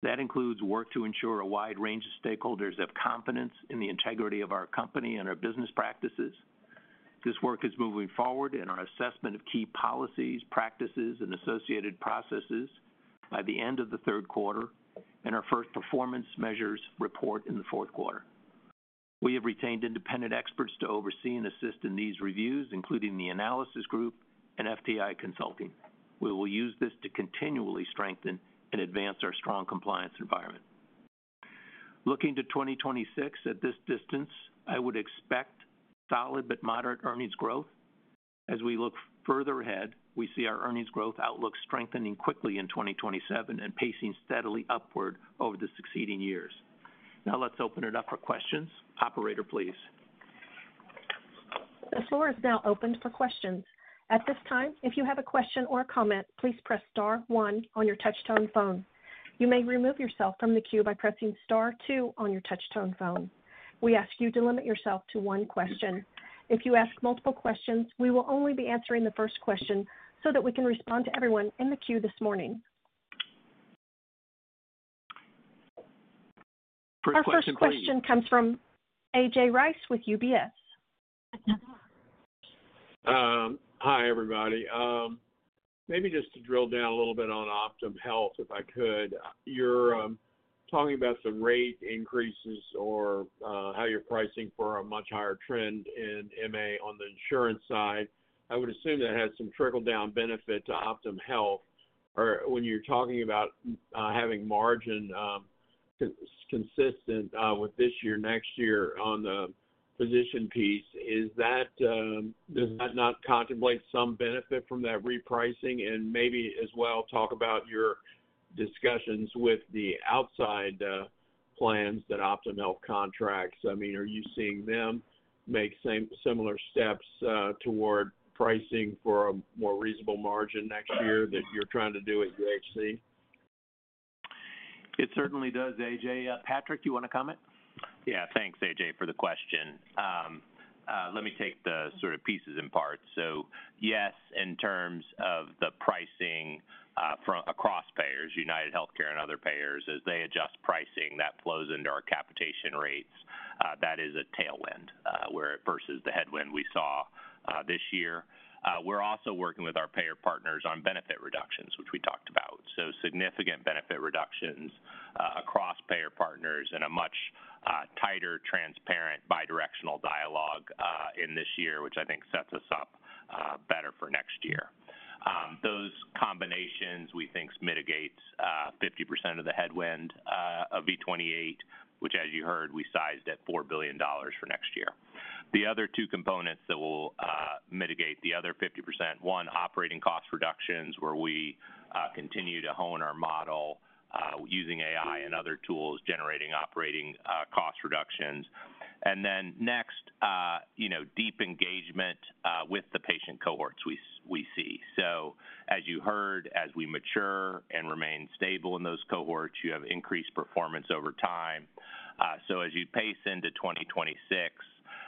That includes work to ensure a wide range of stakeholders have confidence in the integrity of our company and our business practices. This work is moving forward in our assessment of key policies, practices, and associated processes by the end of the third quarter and our first performance measures report in the fourth quarter. We have retained independent experts to oversee and assist in these reviews, including the Analysis Group and FTI Consulting. We will use this to continually strengthen and advance our strong compliance environment. Looking to 2026 at this distance, I would expect solid but moderate earnings growth. As we look further ahead, we see our earnings growth outlook strengthening quickly in 2027 and pacing steadily upward over the succeeding years. Now, let's open it up for questions. Operator, please. The floor is now open for questions. At this time, if you have a question or a comment, please press star one on your touch-tone phone. You may remove yourself from the queue by pressing star two on your touch-tone phone. We ask you to limit yourself to one question. If you ask multiple questions, we will only be answering the first question so that we can respond to everyone in the queue this morning. First question for you. Our first question comes from A.J. Rice with UBS. Hi, everybody. Maybe just to drill down a little bit on Optum Health, if I could. You're talking about the rate increases or how you're pricing for a much higher trend in M.A. on the insurance side. I would assume that has some trickle-down benefit to Optum Health. When you're talking about having margin consistent with this year, next year on the physician piece, does that not contemplate some benefit from that repricing? And maybe as well, talk about your discussions with the outside plans that Optum Health contracts. I mean, are you seeing them make similar steps toward pricing for a more reasonable margin next year that you're trying to do at UHC? It certainly does, A.J. Patrick, do you want to comment? Yeah. Thanks, A.J., for the question. Let me take the sort of pieces and parts. So yes, in terms of the pricing across payers, UnitedHealthcare and other payers, as they adjust pricing, that flows into our capitation rates. That is a tailwind versus the headwind we saw this year. We're also working with our payer partners on benefit reductions, which we talked about. Significant benefit reductions across payer partners and a much tighter, transparent, bidirectional dialogue in this year, which I think sets us up better for next year. Those combinations, we think, mitigate 50% of the headwind of V28, which, as you heard, we sized at $4 billion for next year. The other two components that will mitigate the other 50%, one, operating cost reductions, where we continue to hone our model using AI and other tools, generating operating cost reductions. Next, deep engagement with the patient cohorts we see. As you heard, as we mature and remain stable in those cohorts, you have increased performance over time. As you pace into 2026,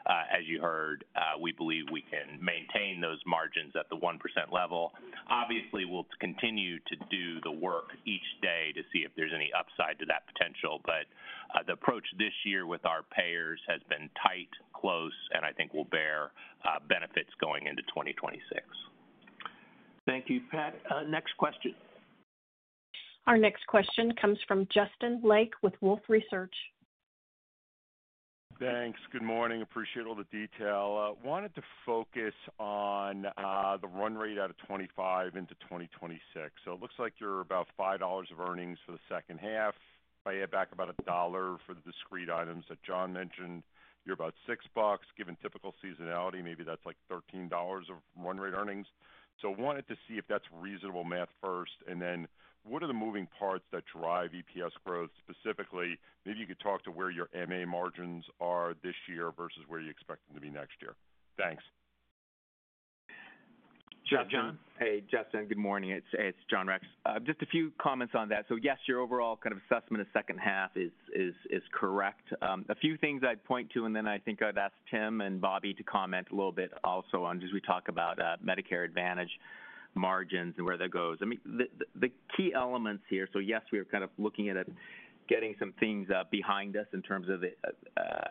as you heard, we believe we can maintain those margins at the 1% level. Obviously, we'll continue to do the work each day to see if there's any upside to that potential. The approach this year with our payers has been tight, close, and I think will bear benefits going into 2026. Thank you, Pat. Next question. Our next question comes from Justin Lake with Wolfe Research. Thanks. Good morning. Appreciate all the detail. Wanted to focus on the run rate out of 2025 into 2026. It looks like you're about $5 of earnings for the second half. I add back about $1 for the discrete items that John mentioned. You're about $6. Given typical seasonality, maybe that's like $13 of run rate earnings. Wanted to see if that's reasonable math first. What are the moving parts that drive EPS growth specifically? Maybe you could talk to where your MA margins are this year versus where you expect them to be next year. Thanks. Hey, Justin. Good morning. It's John Rex. Just a few comments on that. Yes, your overall kind of assessment of second half is correct. A few things I'd point to, and then I think I'd ask Tim and Bobby to comment a little bit also on as we talk about Medicare Advantage margins and where that goes. I mean, the key elements here. Yes, we are kind of looking at getting some things behind us in terms of the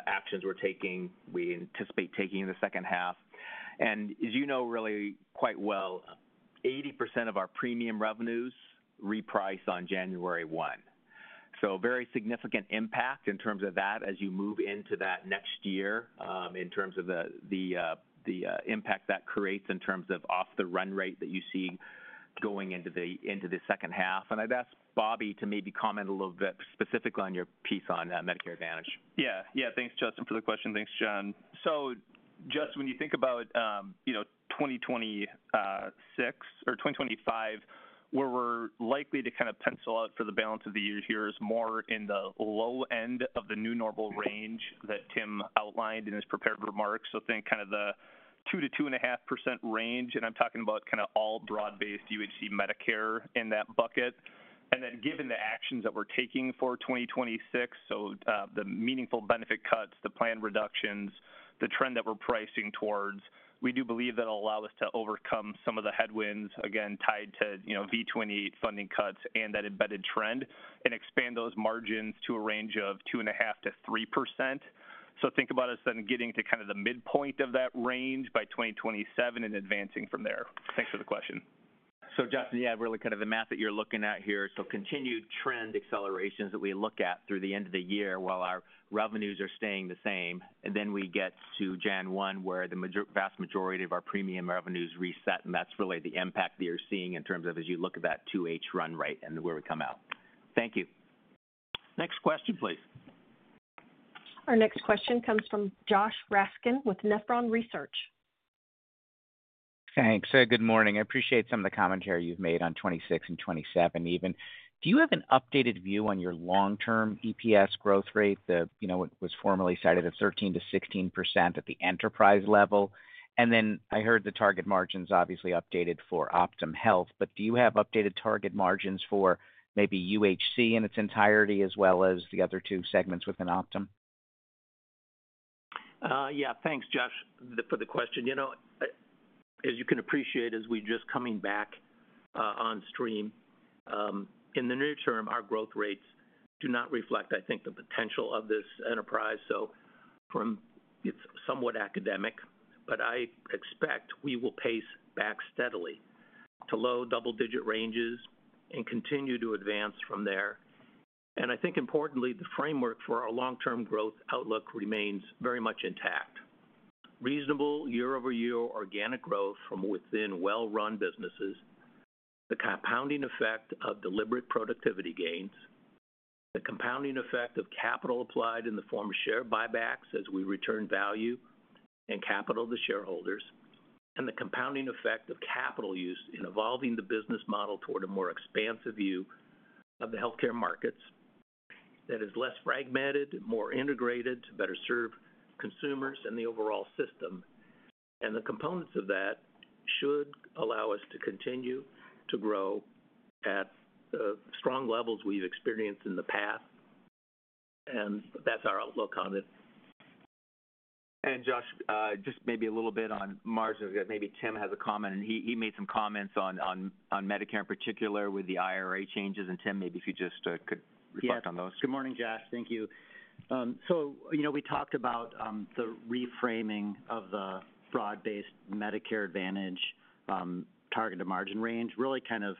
actions we're taking. We anticipate taking in the second half. As you know really quite well, 80% of our premium revenues reprice on January 1. Very significant impact in terms of that as you move into that next year in terms of the impact that creates in terms of off-the-run rate that you see going into the second half. I'd ask Bobby to maybe comment a little bit specifically on your piece on Medicare Advantage. Yeah. Yeah. Thanks, Justin, for the question. Thanks, John. Justin, when you think about 2026 or 2025, where we're likely to kind of pencil out for the balance of the year here is more in the low end of the new normal range that Tim outlined in his prepared remarks. Think kind of the 2%-2.5% range, and I'm talking about kind of all broad-based UHC Medicare in that bucket. Given the actions that we're taking for 2026, the meaningful benefit cuts, the planned reductions, the trend that we're pricing towards, we do believe that'll allow us to overcome some of the headwinds, again, tied to V28 funding cuts and that embedded trend, and expand those margins to a range of 2.5%-3%. Think about us then getting to kind of the midpoint of that range by 2027 and advancing from there. Thanks for the question. Justin, yeah, really kind of the math that you're looking at here. Continued trend accelerations that we look at through the end of the year while our revenues are staying the same. Then we get to January 1, where the vast majority of our premium revenues reset, and that's really the impact that you're seeing in terms of as you look at that 2H run rate and where we come out. Thank you. Next question, please. Our next question comes from Josh Raskin with Nephron Research. Thanks. Good morning. I appreciate some of the commentary you've made on 2026 and 2027 even. Do you have an updated view on your long-term EPS growth rate? It was formerly cited at 13%-16% at the enterprise level. Then I heard the target margins obviously updated for Optum Health, but do you have updated target margins for maybe UHC in its entirety as well as the other two segments within Optum? Yeah. Thanks, Josh, for the question. As you can appreciate, as we're just coming back on stream, in the near term, our growth rates do not reflect, I think, the potential of this enterprise. It is somewhat academic, but I expect we will pace back steadily to low double-digit ranges and continue to advance from there. I think, importantly, the framework for our long-term growth outlook remains very much intact. Reasonable year-over-year organic growth from within well-run businesses, the compounding effect of deliberate productivity gains, the compounding effect of capital applied in the form of share buybacks as we return value and capital to shareholders, and the compounding effect of capital use in evolving the business model toward a more expansive view of the healthcare markets that is less fragmented, more integrated, better serve consumers and the overall system. The components of that should allow us to continue to grow at the strong levels we've experienced in the past. That's our outlook on it. Josh, just maybe a little bit on margins. Maybe Tim has a comment, and he made some comments on Medicare in particular with the IRA changes. Tim, maybe if you just could reflect on those. Good morning, Josh. Thank you. We talked about the reframing of the broad-based Medicare Advantage targeted margin range, really kind of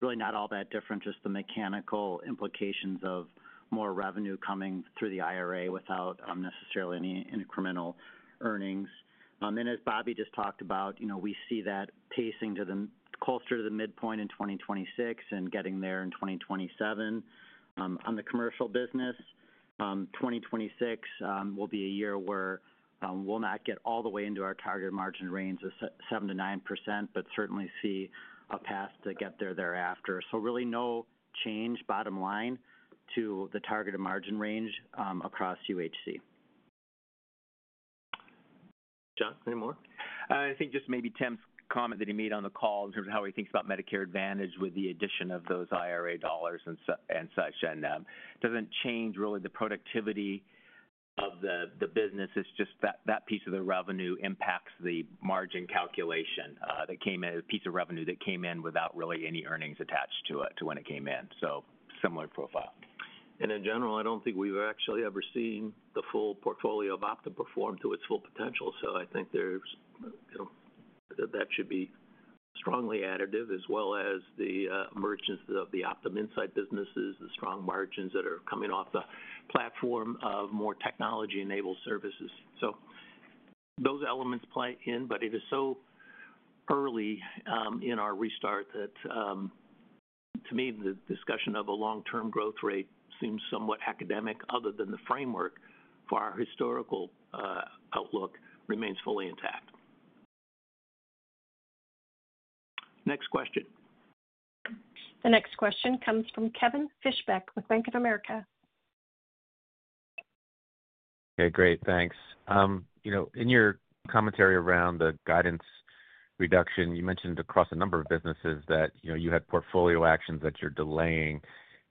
really not all that different, just the mechanical implications of more revenue coming through the IRA without necessarily any incremental earnings. As Bobby just talked about, we see that pacing to the closer to the midpoint in 2026 and getting there in 2027. On the commercial business, 2026 will be a year where we'll not get all the way into our target margin range of 7%-9%, but certainly see a path to get there thereafter. Really no change bottom line to the targeted margin range across UHC. John, any more? I think just maybe Tim's comment that he made on the call in terms of how he thinks about Medicare Advantage with the addition of those IRA dollars and such. It does not change really the productivity of the business. It is just that piece of the revenue impacts the margin calculation that came in, a piece of revenue that came in without really any earnings attached to it when it came in. Similar profile. In general, I do not think we have actually ever seen the full portfolio of Optum perform to its full potential. I think that should be strongly additive as well as the margins of the Optum Insight businesses, the strong margins that are coming off the platform of more technology-enabled services. Those elements play in, but it is so early in our restart that to me, the discussion of a long-term growth rate seems somewhat academic other than the framework for our historical outlook remains fully intact. Next question. The next question comes from Kevin Fischbeck with Bank of America. Okay. Great. Thanks. In your commentary around the guidance reduction, you mentioned across a number of businesses that you had portfolio actions that you're delaying. Can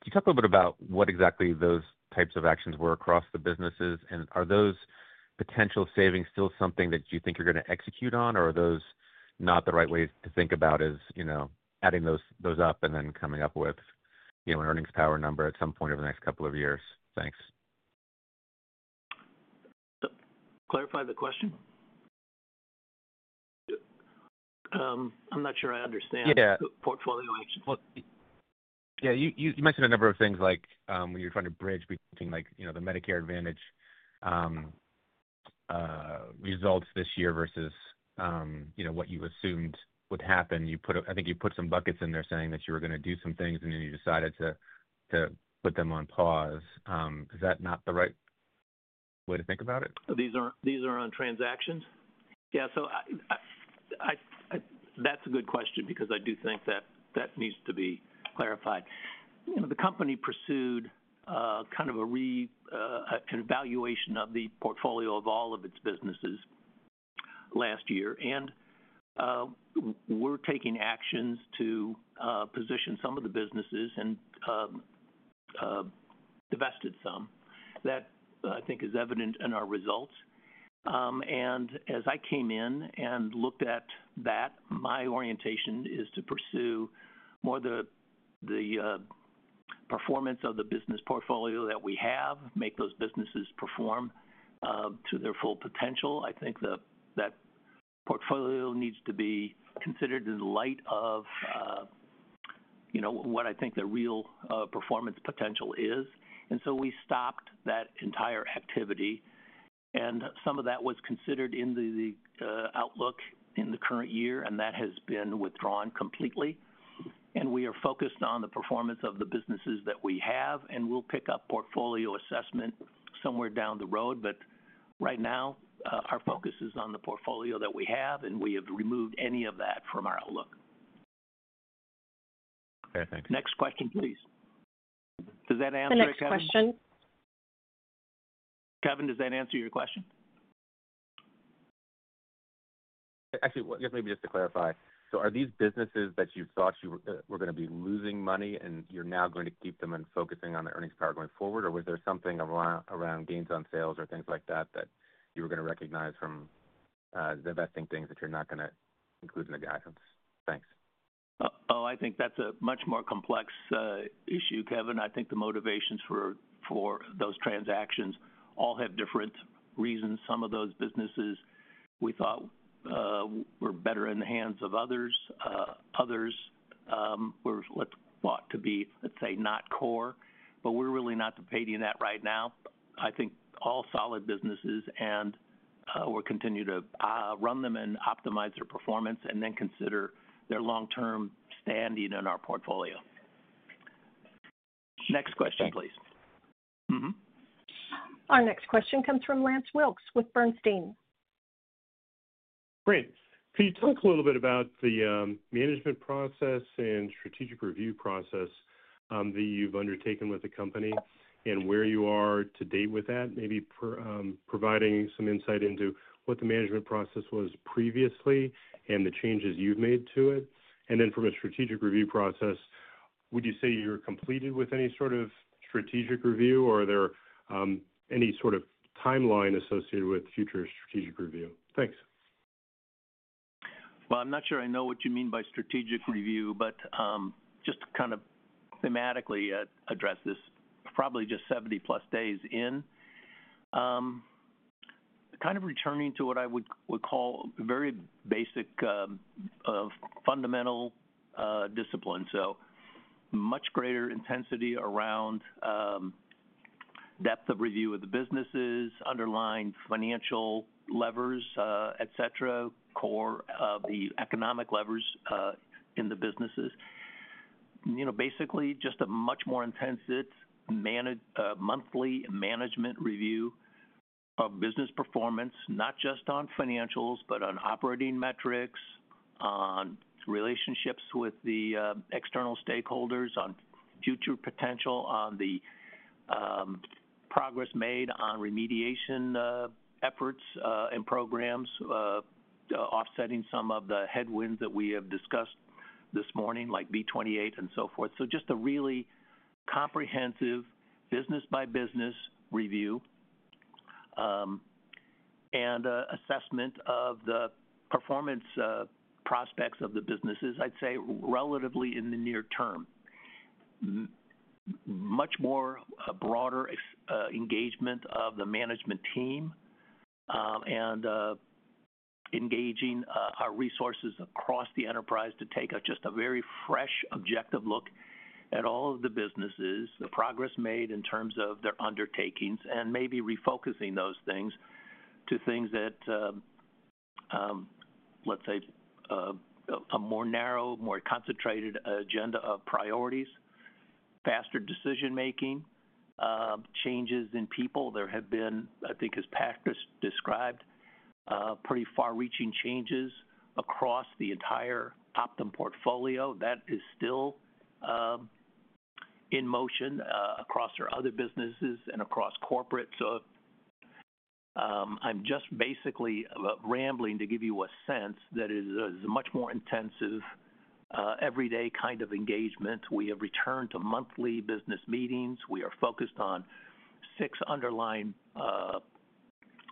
you talk a little bit about what exactly those types of actions were across the businesses? Are those potential savings still something that you think you're going to execute on, or are those not the right ways to think about as adding those up and then coming up with an earnings power number at some point over the next couple of years? Thanks. Clarify the question. I'm not sure I understand. Yeah. Portfolio actions. You mentioned a number of things like when you're trying to bridge between the Medicare Advantage results this year versus what you assumed would happen. I think you put some buckets in there saying that you were going to do some things, and then you decided to put them on pause. Is that not the right way to think about it? These are on transactions? Yeah. That's a good question because I do think that needs to be clarified. The company pursued kind of an evaluation of the portfolio of all of its businesses last year. We're taking actions to position some of the businesses and divested some that I think is evident in our results. As I came in and looked at that, my orientation is to pursue more the performance of the business portfolio that we have, make those businesses perform to their full potential. I think that portfolio needs to be considered in light of what I think the real performance potential is. We stopped that entire activity. Some of that was considered in the outlook in the current year, and that has been withdrawn completely. We are focused on the performance of the businesses that we have, and we will pick up portfolio assessment somewhere down the road. Right now, our focus is on the portfolio that we have, and we have removed any of that from our outlook. Thank you. Next question, please. Does that answer? Thanks. Next question. Kevin, does that answer your question? Actually, maybe just to clarify. Are these businesses that you thought you were going to be losing money, and you are now going to keep them and focus on the earnings power going forward? Or was there something around gains on sales or things like that that you were going to recognize from divesting things that you are not going to include in the guidance? Thanks. I think that is a much more complex issue, Kevin. I think the motivations for those transactions all have different reasons. Some of those businesses we thought were better in the hands of others were what's thought to be, let's say, not core. We are really not debating that right now. I think all solid businesses, and we will continue to run them and optimize their performance and then consider their long-term standing in our portfolio. Next question, please. Our next question comes from Lance Wilkes with Bernstein. Great. Can you talk a little bit about the management process and strategic review process that you have undertaken with the company and where you are to date with that, maybe providing some insight into what the management process was previously and the changes you have made to it? From a strategic review process, would you say you are completed with any sort of strategic review, or are there any sort of timeline associated with future strategic review? Thanks. I'm not sure I know what you mean by strategic review, but just to kind of thematically address this, probably just 70-plus days in, kind of returning to what I would call very basic fundamental discipline. So much greater intensity around depth of review of the businesses, underlying financial levers, etc., core of the economic levers in the businesses. Basically, just a much more intensive monthly management review of business performance, not just on financials, but on operating metrics, on relationships with the external stakeholders, on future potential, on the progress made on remediation efforts and programs, offsetting some of the headwinds that we have discussed this morning, like V28 and so forth. Just a really comprehensive business-by-business review and assessment of the performance prospects of the businesses, I'd say, relatively in the near term. Much more broader engagement of the management team and engaging our resources across the enterprise to take just a very fresh, objective look at all of the businesses, the progress made in terms of their undertakings, and maybe refocusing those things to things that, let's say, a more narrow, more concentrated agenda of priorities, faster decision-making, changes in people. There have been, I think, as Patrick described, pretty far-reaching changes across the entire Optum portfolio. That is still in motion across our other businesses and across corporate. I am just basically rambling to give you a sense that it is a much more intensive, everyday kind of engagement. We have returned to monthly business meetings. We are focused on six underlying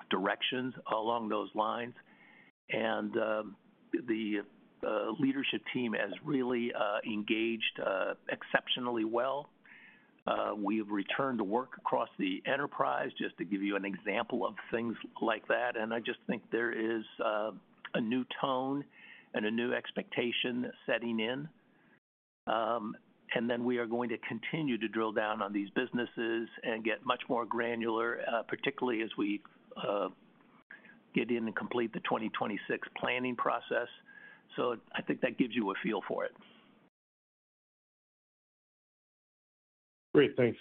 directions along those lines. The leadership team has really engaged exceptionally well. We have returned to work across the enterprise, just to give you an example of things like that. I just think there is a new tone and a new expectation setting in. We are going to continue to drill down on these businesses and get much more granular, particularly as we get in and complete the 2026 planning process. I think that gives you a feel for it. Great. Thanks.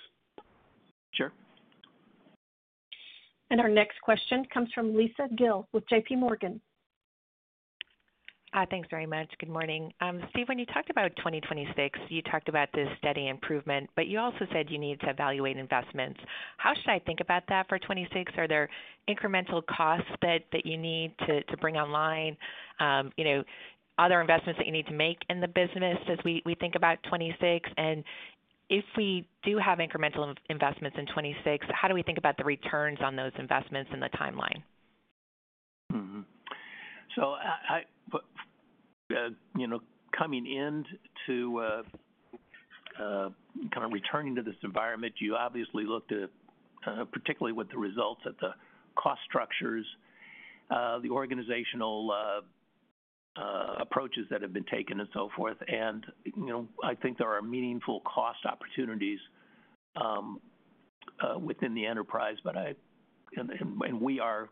Sure. Our next question comes from Lisa Gill with JPMorgan. Hi. Thanks very much. Good morning. Steve, when you talked about 2026, you talked about this steady improvement, but you also said you need to evaluate investments. How should I think about that for 2026? Are there incremental costs that you need to bring online, other investments that you need to make in the business as we think about 2026? If we do have incremental investments in 2026, how do we think about the returns on those investments and the timeline? Coming into kind of returning to this environment, you obviously looked at particularly with the results at the cost structures, the organizational approaches that have been taken, and so forth. I think there are meaningful cost opportunities within the enterprise, and we are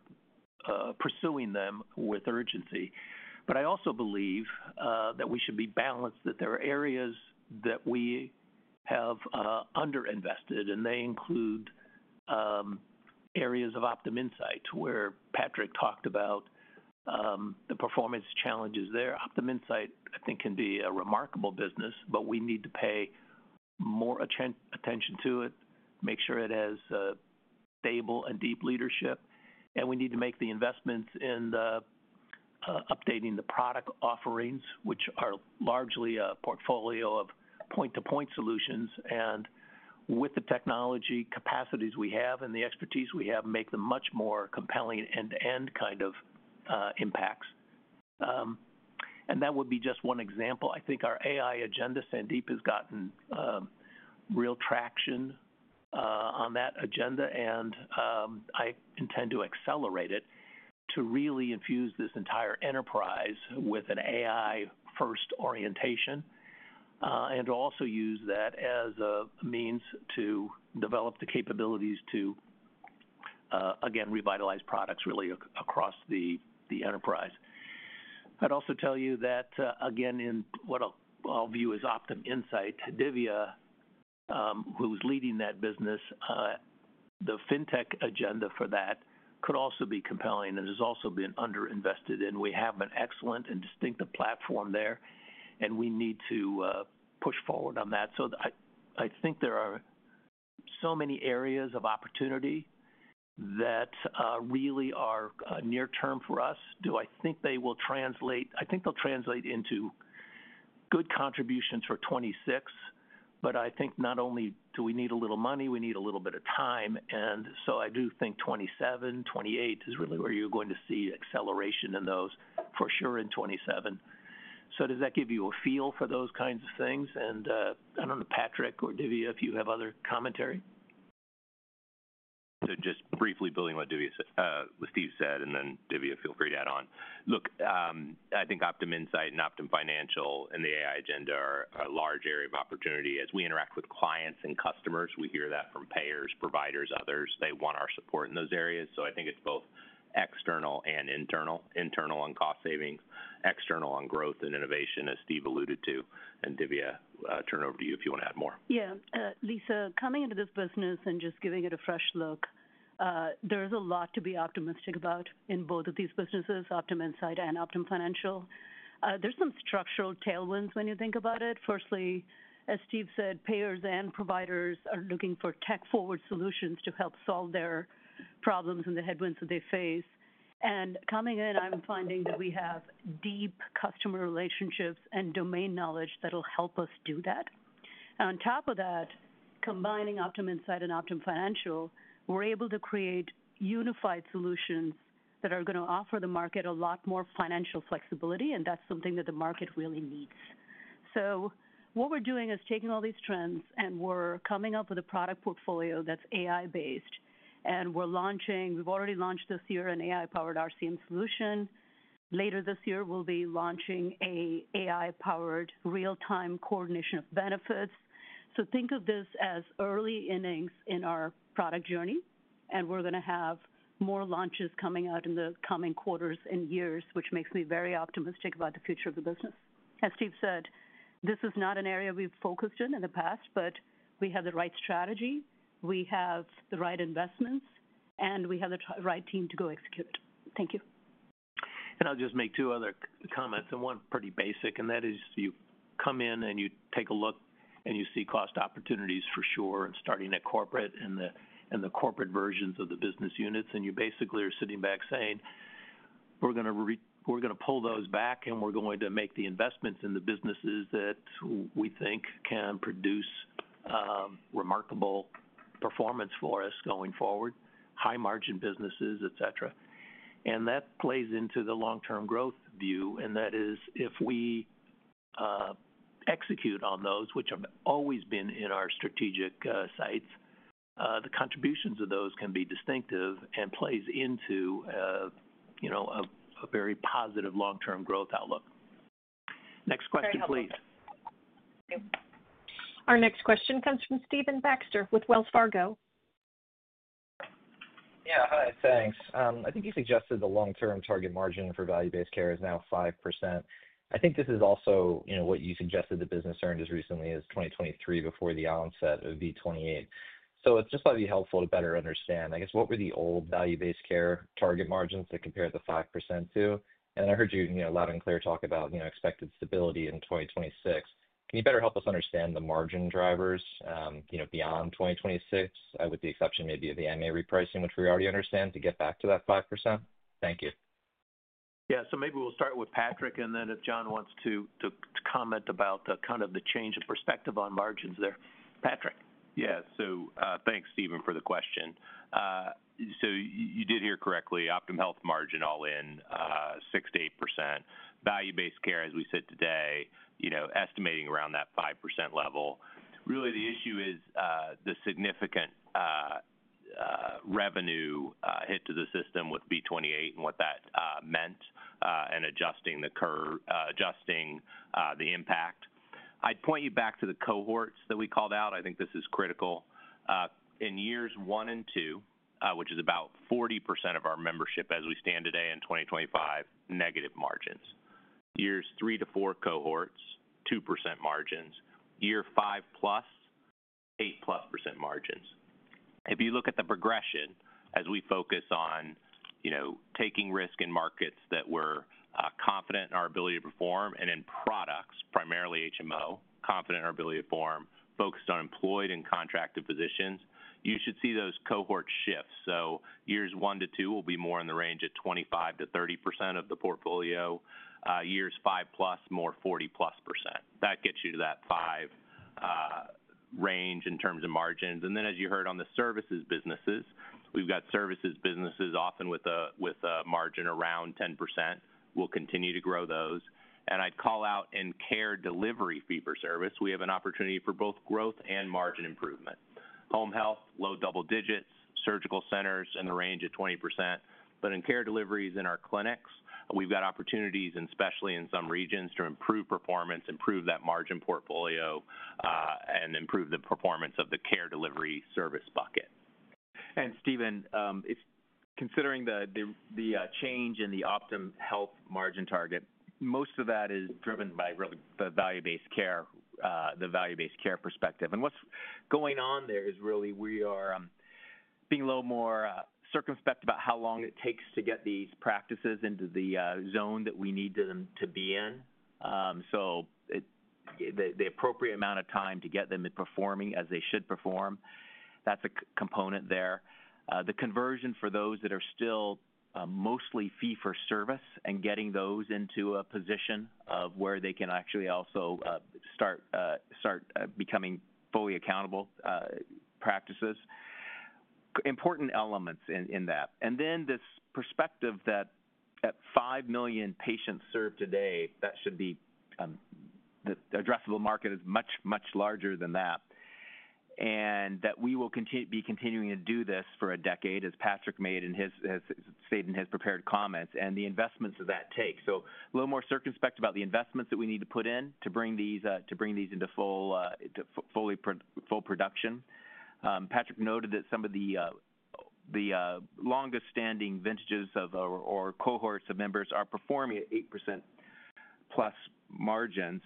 pursuing them with urgency. I also believe that we should be balanced that there are areas that we have underinvested, and they include areas of Optum Insight where Patrick talked about the performance challenges there. Optum Insight, I think, can be a remarkable business, but we need to pay more attention to it, make sure it has stable and deep leadership. We need to make the investments in updating the product offerings, which are largely a portfolio of point-to-point solutions. With the technology capacities we have and the expertise we have, make them much more compelling end-to-end kind of impacts. That would be just one example. I think our AI agenda, Sandeep, has gotten real traction on that agenda, and I intend to accelerate it to really infuse this entire enterprise with an AI-first orientation and also use that as a means to develop the capabilities to, again, revitalize products really across the enterprise. I'd also tell you that, again, in what I'll view as Optum Insight, Dhivya, who's leading that business, the fintech agenda for that could also be compelling and has also been underinvested in. We have an excellent and distinctive platform there, and we need to push forward on that. I think there are so many areas of opportunity that really are near-term for us. Do I think they will translate? I think they'll translate into good contributions for 2026, but I think not only do we need a little money, we need a little bit of time. I do think 2027, 2028 is really where you're going to see acceleration in those, for sure, in 2027. Does that give you a feel for those kinds of things? I don't know, Patrick or Dhivya, if you have other commentary. Just briefly building on what Dhivya said, what Steve said, and then Dhivya, feel free to add on. Look, I think Optum Insight and Optum Financial and the AI agenda are a large area of opportunity. As we interact with clients and customers, we hear that from payers, providers, others. They want our support in those areas. I think it's both external and internal. Internal on cost savings, external on growth and innovation, as Steve alluded to. Dhivya, turn it over to you if you want to add more. Yeah. Lisa, coming into this business and just giving it a fresh look, there is a lot to be optimistic about in both of these businesses, Optum Insight and Optum Financial. There are some structural tailwinds when you think about it. Firstly, as Steve said, payers and providers are looking for tech-forward solutions to help solve their problems and the headwinds that they face. Coming in, I'm finding that we have deep customer relationships and domain knowledge that'll help us do that. On top of that, combining Optum Insight and Optum Financial, we're able to create unified solutions that are going to offer the market a lot more financial flexibility, and that's something that the market really needs. What we are doing is taking all these trends, and we are coming up with a product portfolio that is AI-based. We have already launched this year an AI-powered RCM solution. Later this year, we will be launching an AI-powered real-time coordination of benefits. Think of this as early innings in our product journey, and we are going to have more launches coming out in the coming quarters and years, which makes me very optimistic about the future of the business. As Steve said, this is not an area we have focused in in the past, but we have the right strategy, we have the right investments, and we have the right team to go execute it. Thank you. I will just make two other comments, and one pretty basic. That is you come in and you take a look and you see cost opportunities for sure and starting at corporate and the corporate versions of the business units. You basically are sitting back saying, "We're going to pull those back, and we're going to make the investments in the businesses that we think can produce remarkable performance for us going forward, high-margin businesses, etc." That plays into the long-term growth view. That is if we execute on those, which have always been in our strategic sites, the contributions of those can be distinctive and plays into a very positive long-term growth outlook. Next question, please. Thank you. Our next question comes from Stephen Baxter with Wells Fargo. Yeah. Hi. Thanks. I think you suggested the long-term target margin for value-based care is now 5%. I think this is also what you suggested the business earned as recently as 2023 before the onset of V28. It just might be helpful to better understand, I guess, what were the old value-based care target margins to compare the 5% to? I heard you loud and clear talk about expected stability in 2026. Can you better help us understand the margin drivers beyond 2026, with the exception maybe of the AMA repricing, which we already understand, to get back to that 5%? Thank you. Yeah. Maybe we'll start with Patrick, and then if John wants to comment about kind of the change of perspective on margins there. Patrick. Yeah. Thanks, Stephen, for the question. You did hear correctly. Optum Health margin all in 6%-8%. Value-based care, as we sit today, estimating around that 5% level. Really, the issue is the significant revenue hit to the system with V28 and what that meant and adjusting the impact. I'd point you back to the cohorts that we called out. I think this is critical. In years one and two, which is about 40% of our membership as we stand today in 2025, negative margins. Years three to four, cohorts, 2% margins. Year 5+, 8%+ margins. If you look at the progression as we focus on taking risk in markets that we're confident in our ability to perform and in products, primarily HMO, confident in our ability to perform, focused on employed and contracted positions, you should see those cohort shifts. Years one to two will be more in the range of 25%-30% of the portfolio. Years 5+, more 40%+. That gets you to that five range in terms of margins. As you heard on the services businesses, we've got services businesses often with a margin around 10%. We'll continue to grow those. I'd call out in care delivery fee-for-service, we have an opportunity for both growth and margin improvement. Home health, low double digits, surgical centers, in the range of 20%. In care deliveries in our clinics, we've got opportunities, especially in some regions, to improve performance, improve that margin portfolio, and improve the performance of the care delivery service bucket. Stephen, considering the change in the Optum Health margin target, most of that is driven by really the value-based care, the value-based care perspective. What is going on there is really we are being a little more circumspect about how long it takes to get these practices into the zone that we need them to be in. The appropriate amount of time to get them performing as they should perform, that is a component there. The conversion for those that are still mostly fee-for-service and getting those into a position where they can actually also start becoming fully accountable practices, important elements in that. This perspective that at 5 million patients served today, the addressable market is much, much larger than that. We will be continuing to do this for a decade, as Patrick made and has stated in his prepared comments, and the investments that that takes. A little more circumspect about the investments that we need to put in to bring these into fully production. Patrick noted that some of the longest-standing vintages or cohorts of members are performing at 8%+ margins.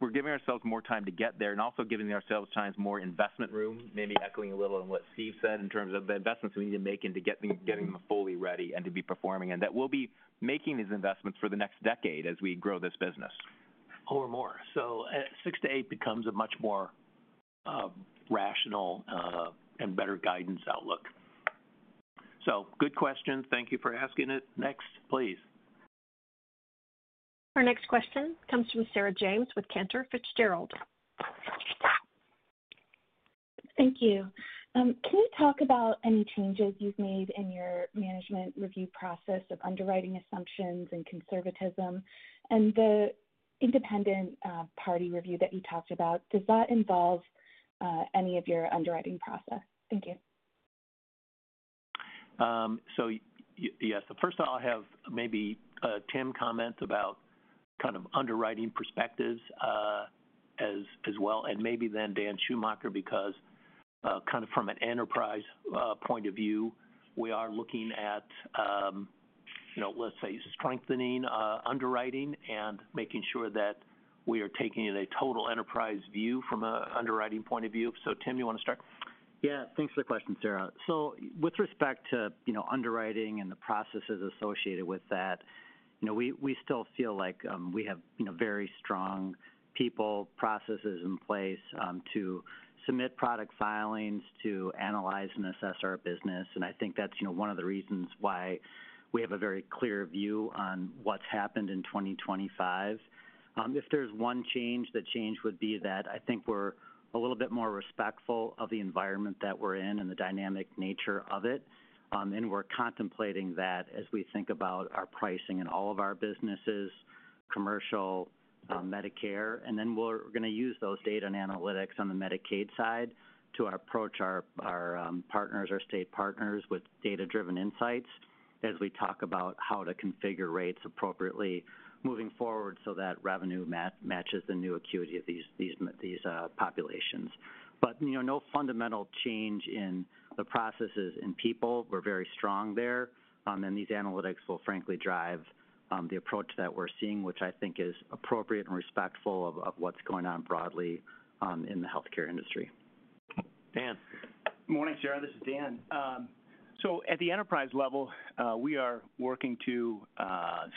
We're giving ourselves more time to get there and also giving ourselves times, more investment room, maybe echoing a little on what Steve said in terms of the investments we need to make into getting them fully ready and to be performing. We'll be making these investments for the next decade as we grow this business. Or more. Six to eight becomes a much more rational and better guidance outlook. Good question. Thank you for asking it. Next, please. Our next question comes from Sarah James with Cantor Fitzgerald. Thank you. Can you talk about any changes you've made in your management review process of underwriting assumptions and conservatism and the independent party review that you talked about? Does that involve any of your underwriting process? Thank you. Yes. First, I'll have maybe Tim comment about kind of underwriting perspectives as well. Maybe then Dan Schumacher, because from an enterprise point of view, we are looking at, let's say, strengthening underwriting and making sure that we are taking in a total enterprise view from an underwriting point of view. Tim, you want to start? Yeah. Thanks for the question, Sarah. With respect to underwriting and the processes associated with that, we still feel like we have very strong people, processes in place to submit product filings, to analyze and assess our business. I think that's one of the reasons why we have a very clear view on what's happened in 2025. If there's one change, the change would be that I think we're a little bit more respectful of the environment that we're in and the dynamic nature of it. We're contemplating that as we think about our pricing in all of our businesses, commercial, Medicare. We're going to use those data and analytics on the Medicaid side to approach our partners, our state partners, with data-driven insights as we talk about how to configure rates appropriately moving forward so that revenue matches the new acuity of these populations. No fundamental change in the processes in people. We're very strong there. These analytics will, frankly, drive the approach that we're seeing, which I think is appropriate and respectful of what's going on broadly in the healthcare industry. Dan. Good morning, Sarah. This is Dan. At the enterprise level, we are working to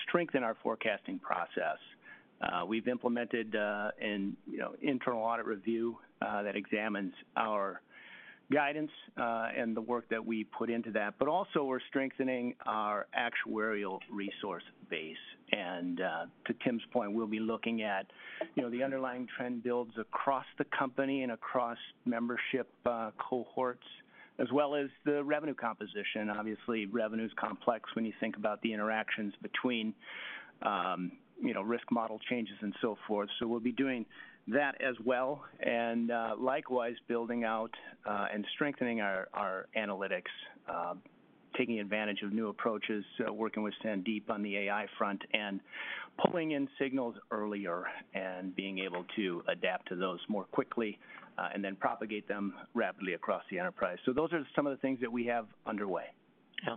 strengthen our forecasting process. We've implemented an internal audit review that examines our guidance and the work that we put into that. We are also strengthening our actuarial resource base. To Tim's point, we'll be looking at the underlying trend builds across the company and across membership cohorts, as well as the revenue composition. Obviously, revenue is complex when you think about the interactions between risk model changes and so forth. We will be doing that as well. Likewise, building out and strengthening our analytics, taking advantage of new approaches, working with Sandeep on the AI front, and pulling in signals earlier and being able to adapt to those more quickly and then propagate them rapidly across the enterprise. Those are some of the things that we have underway. Yeah.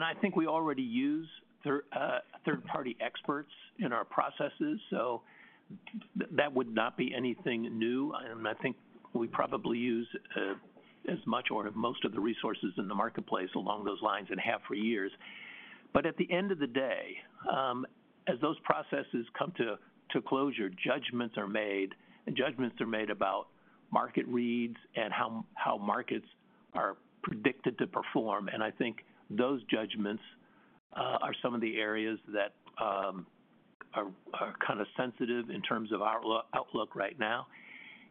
I think we already use third-party experts in our processes. That would not be anything new. I think we probably use as much or most of the resources in the marketplace along those lines and have for years. At the end of the day, as those processes come to closure, judgments are made. Judgments are made about market reads and how markets are predicted to perform. I think those judgments are some of the areas that are kind of sensitive in terms of our outlook right now.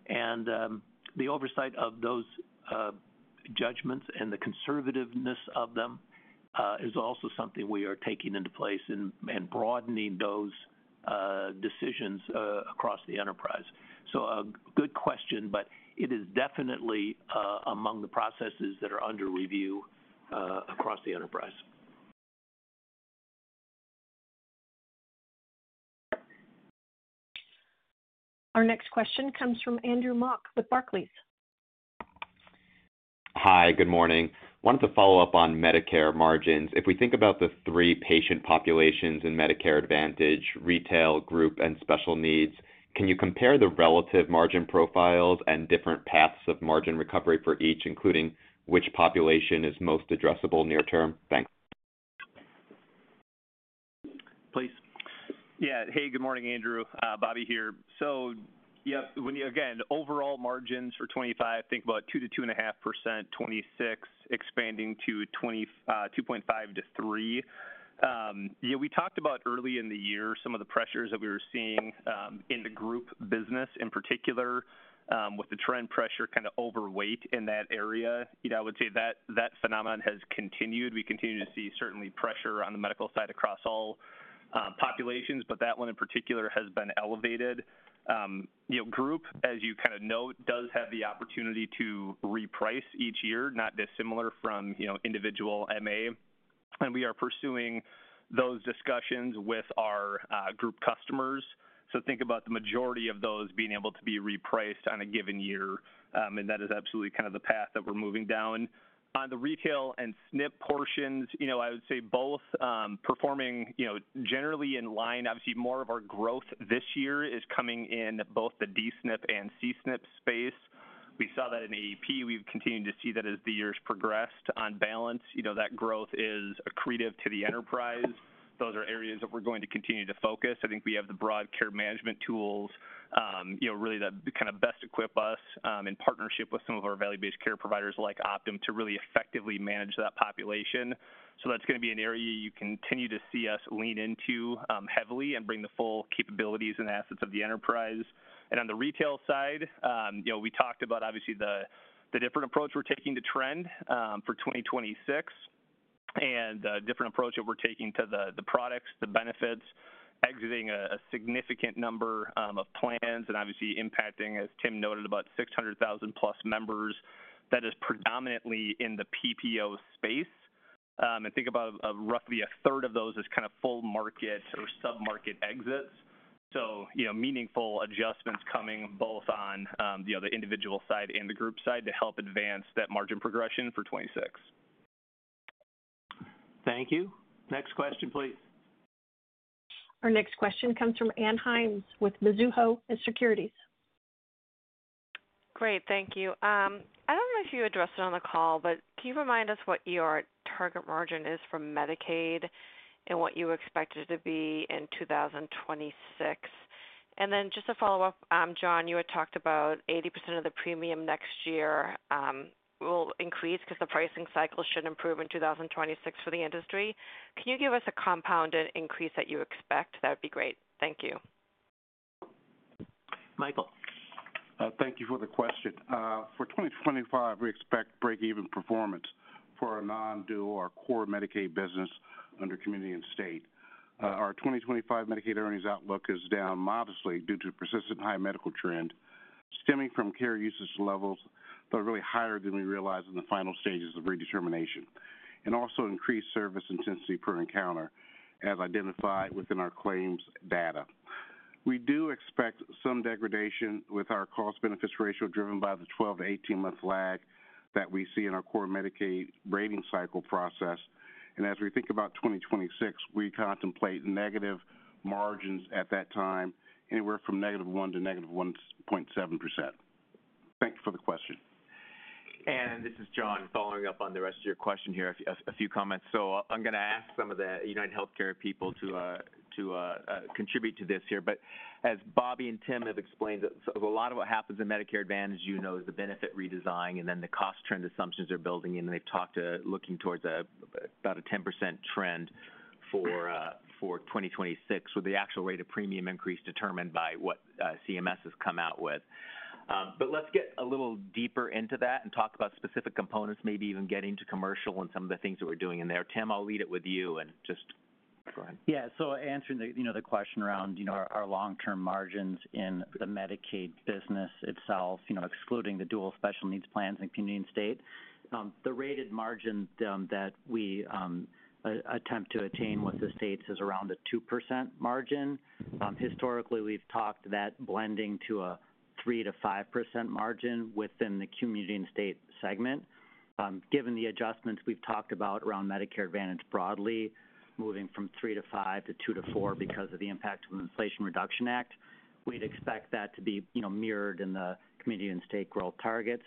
The oversight of those judgments and the conservativeness of them is also something we are taking into place and broadening those decisions across the enterprise. A good question, but it is definitely among the processes that are under review across the enterprise. Our next question comes from Andrew Mok with Barclays. Hi. Good morning. Wanted to follow up on Medicare margins. If we think about the three patient populations in Medicare Advantage, retail, group, and special needs, can you compare the relative margin profiles and different paths of margin recovery for each, including which population is most addressable near term? Thanks. Please. Yeah. Hey, good morning, Andrew. Bobby here. Again, overall margins for 2025, think about 2%-2.5%, 2026 expanding to 2.5%-3%. Yeah, we talked about early in the year some of the pressures that we were seeing in the group business in particular with the trend pressure kind of overweight in that area. I would say that phenomenon has continued. We continue to see certainly pressure on the medical side across all populations, but that one in particular has been elevated. Group, as you kind of know, does have the opportunity to reprice each year, not dissimilar from individual MA. We are pursuing those discussions with our group customers. Think about the majority of those being able to be repriced on a given year. That is absolutely kind of the path that we're moving down. On the retail and SNP portions, I would say both performing generally in line. Obviously, more of our growth this year is coming in both the D-SNP and C-SNP space. We saw that in AEP. We've continued to see that as the years progressed. On balance, that growth is accretive to the enterprise. Those are areas that we're going to continue to focus. I think we have the broad care management tools really that kind of best equip us in partnership with some of our value-based care providers like Optum to really effectively manage that population. That is going to be an area you continue to see us lean into heavily and bring the full capabilities and assets of the enterprise. On the retail side, we talked about, obviously, the different approach we're taking to trend for 2026 and the different approach that we're taking to the products, the benefits, exiting a significant number of plans and obviously impacting, as Tim noted, about 600,000+ members. That is predominantly in the PPO space. Think about roughly a third of those as kind of full market or sub-market exits. Meaningful adjustments coming both on the individual side and the group side to help advance that margin progression for 2026. Thank you. Next question, please. Our next question comes from Ann Hynes with Mizuho Securities. Great. Thank you. I do not know if you addressed it on the call, but can you remind us what your target margin is for Medicaid and what you expect it to be in 2026? And then just to follow up, John, you had talked about 80% of the premium next year will increase because the pricing cycle should improve in 2026 for the industry. Can you give us a compounded increase that you expect? That would be great. Thank you. Michael. Thank you for the question. For 2025, we expect break-even performance for our non-dual or core Medicaid business under Community & State. Our 2025 Medicaid earnings outlook is down modestly due to persistent high medical trend stemming from care usage levels, but really higher than we realized in the final stages of redetermination. Also, increased service intensity per encounter as identified within our claims data. We do expect some degradation with our cost-benefits ratio driven by the 12-18 month lag that we see in our core Medicaid rating cycle process. As we think about 2026, we contemplate negative margins at that time, anywhere from -1% to -1.7%. Thank you for the question. This is John following up on the rest of your question here, a few comments. I'm going to ask some of the UnitedHealthcare people to contribute to this here. As Bobby and Tim have explained, a lot of what happens in Medicare Advantage, you know, is the benefit redesign and then the cost trend assumptions are building in. They have talked to looking towards about a 10% trend for 2026 with the actual rate of premium increase determined by what CMS has come out with. Let's get a little deeper into that and talk about specific components, maybe even getting to commercial and some of the things that we're doing in there. Tim, I'll lead it with you and just go ahead. Yeah. So answering the question around our long-term margins in the Medicaid business itself, excluding the dual special needs plans in community and state, the rated margin that we attempt to attain with the states is around a 2% margin. Historically, we've talked that blending to a 3%-5% margin within the community and state segment. Given the adjustments we've talked about around Medicare Advantage broadly, moving from 3%-5% to 2%-4% because of the impact of the Inflation Reduction Act, we'd expect that to be mirrored in the community and state growth targets.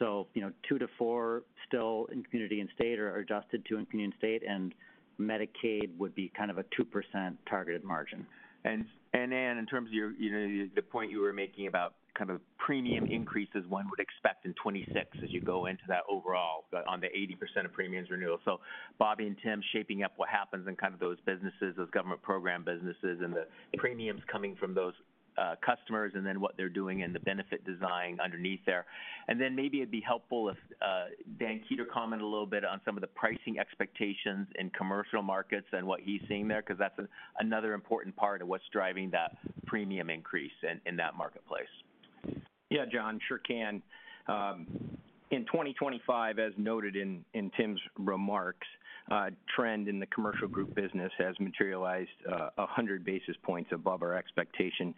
So 2%-4% still in community and state are adjusted to in community and state, and Medicaid would be kind of a 2% targeted margin. And Ann, in terms of the point you were making about kind of premium increases one would expect in 2026 as you go into that overall on the 80% of premiums renewal. Bobby and Tim shaping up what happens in kind of those businesses, those government program businesses and the premiums coming from those customers and then what they're doing and the benefit design underneath there. Maybe it'd be helpful if Dan Kueter commented a little bit on some of the pricing expectations in commercial markets and what he's seeing there because that's another important part of what's driving that premium increase in that marketplace. Yeah, John, sure can. In 2025, as noted in Tim's remarks, trend in the commercial group business has materialized 100 basis points above our expectation,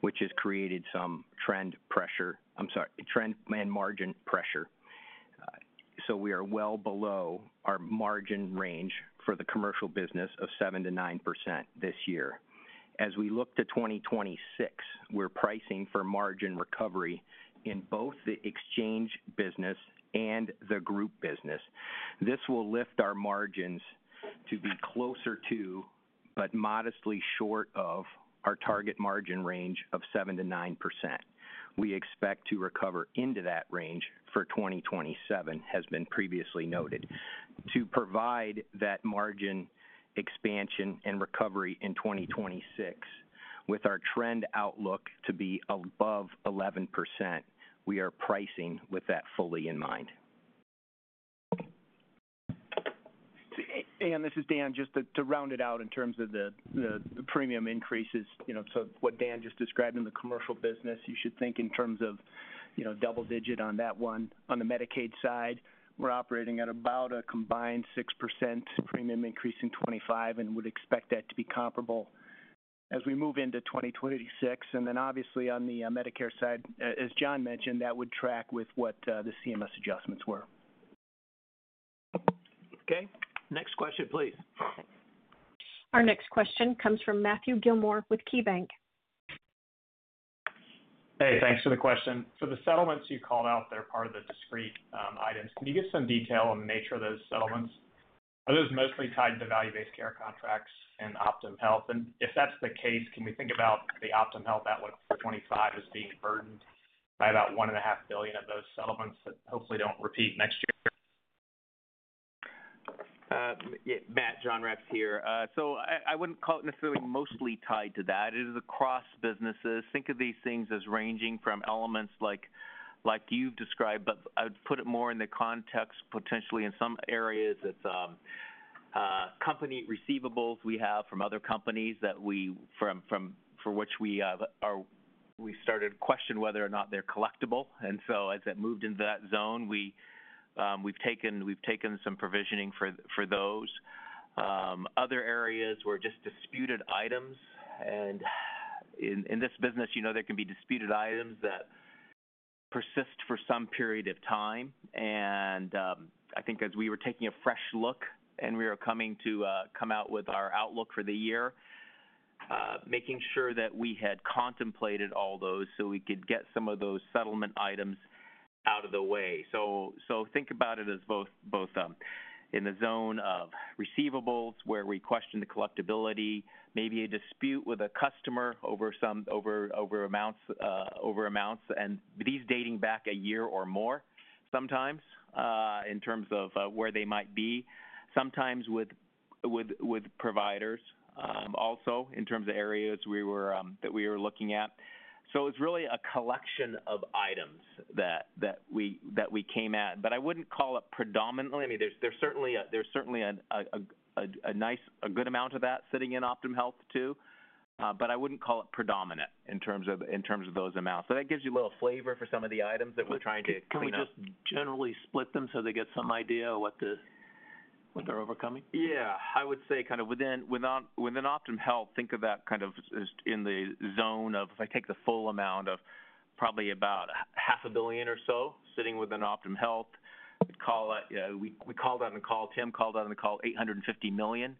which has created some trend pressure. I'm sorry, trend and margin pressure. We are well below our margin range for the commercial business of 7%-9% this year. As we look to 2026, we're pricing for margin recovery in both the exchange business and the group business. This will lift our margins to be closer to, but modestly short of, our target margin range of 7%-9%. We expect to recover into that range for 2027, as has been previously noted, to provide that margin expansion and recovery in 2026 with our trend outlook to be above 11%. We are pricing with that fully in mind. This is Dan. Just to round it out in terms of the premium increases, what Dan just described in the commercial business, you should think in terms of double-digit on that one. On the Medicaid side, we're operating at about a combined 6% premium increase in 2025 and would expect that to be comparable as we move into 2026. Obviously on the Medicare side, as John mentioned, that would track with what the CMS adjustments were. Okay. Next question, please. Our next question comes from Matthew Gilmor with KeyBank. Hey, thanks for the question. For the settlements you called out, they're part of the discrete items. Can you give some detail on the nature of those settlements? Are those mostly tied to value-based care contracts and Optum Health? If that's the case, can we think about the Optum Health outlook for 2025 as being burdened by about $1.5 billion of those settlements that hopefully do not repeat next year? Matt, John Rex here. I would not call it necessarily mostly tied to that. It is across businesses. Think of these things as ranging from elements like you've described, but I'd put it more in the context potentially in some areas that company receivables we have from other companies that we for which we started to question whether or not they're collectible. As that moved into that zone, we've taken some provisioning for those. Other areas were just disputed items. In this business, there can be disputed items that persist for some period of time. I think as we were taking a fresh look and we were coming to come out with our outlook for the year, making sure that we had contemplated all those so we could get some of those settlement items out of the way. Think about it as both in the zone of receivables where we question the collectability, maybe a dispute with a customer over amounts, and these dating back a year or more sometimes in terms of where they might be, sometimes with providers also in terms of areas that we were looking at. It is really a collection of items that we came at. I would not call it predominantly. I mean, there is certainly a good amount of that sitting in Optum Health too, but I would not call it predominant in terms of those amounts. That gives you a little flavor for some of the items that we are trying to. Can we just generally split them so they get some idea of what they are overcoming? Yeah. I would say kind of within Optum Health, think of that kind of in the zone of, if I take the full amount of probably about $500 million or so sitting within Optum Health, we called on a call, Tim called on a call, $850 million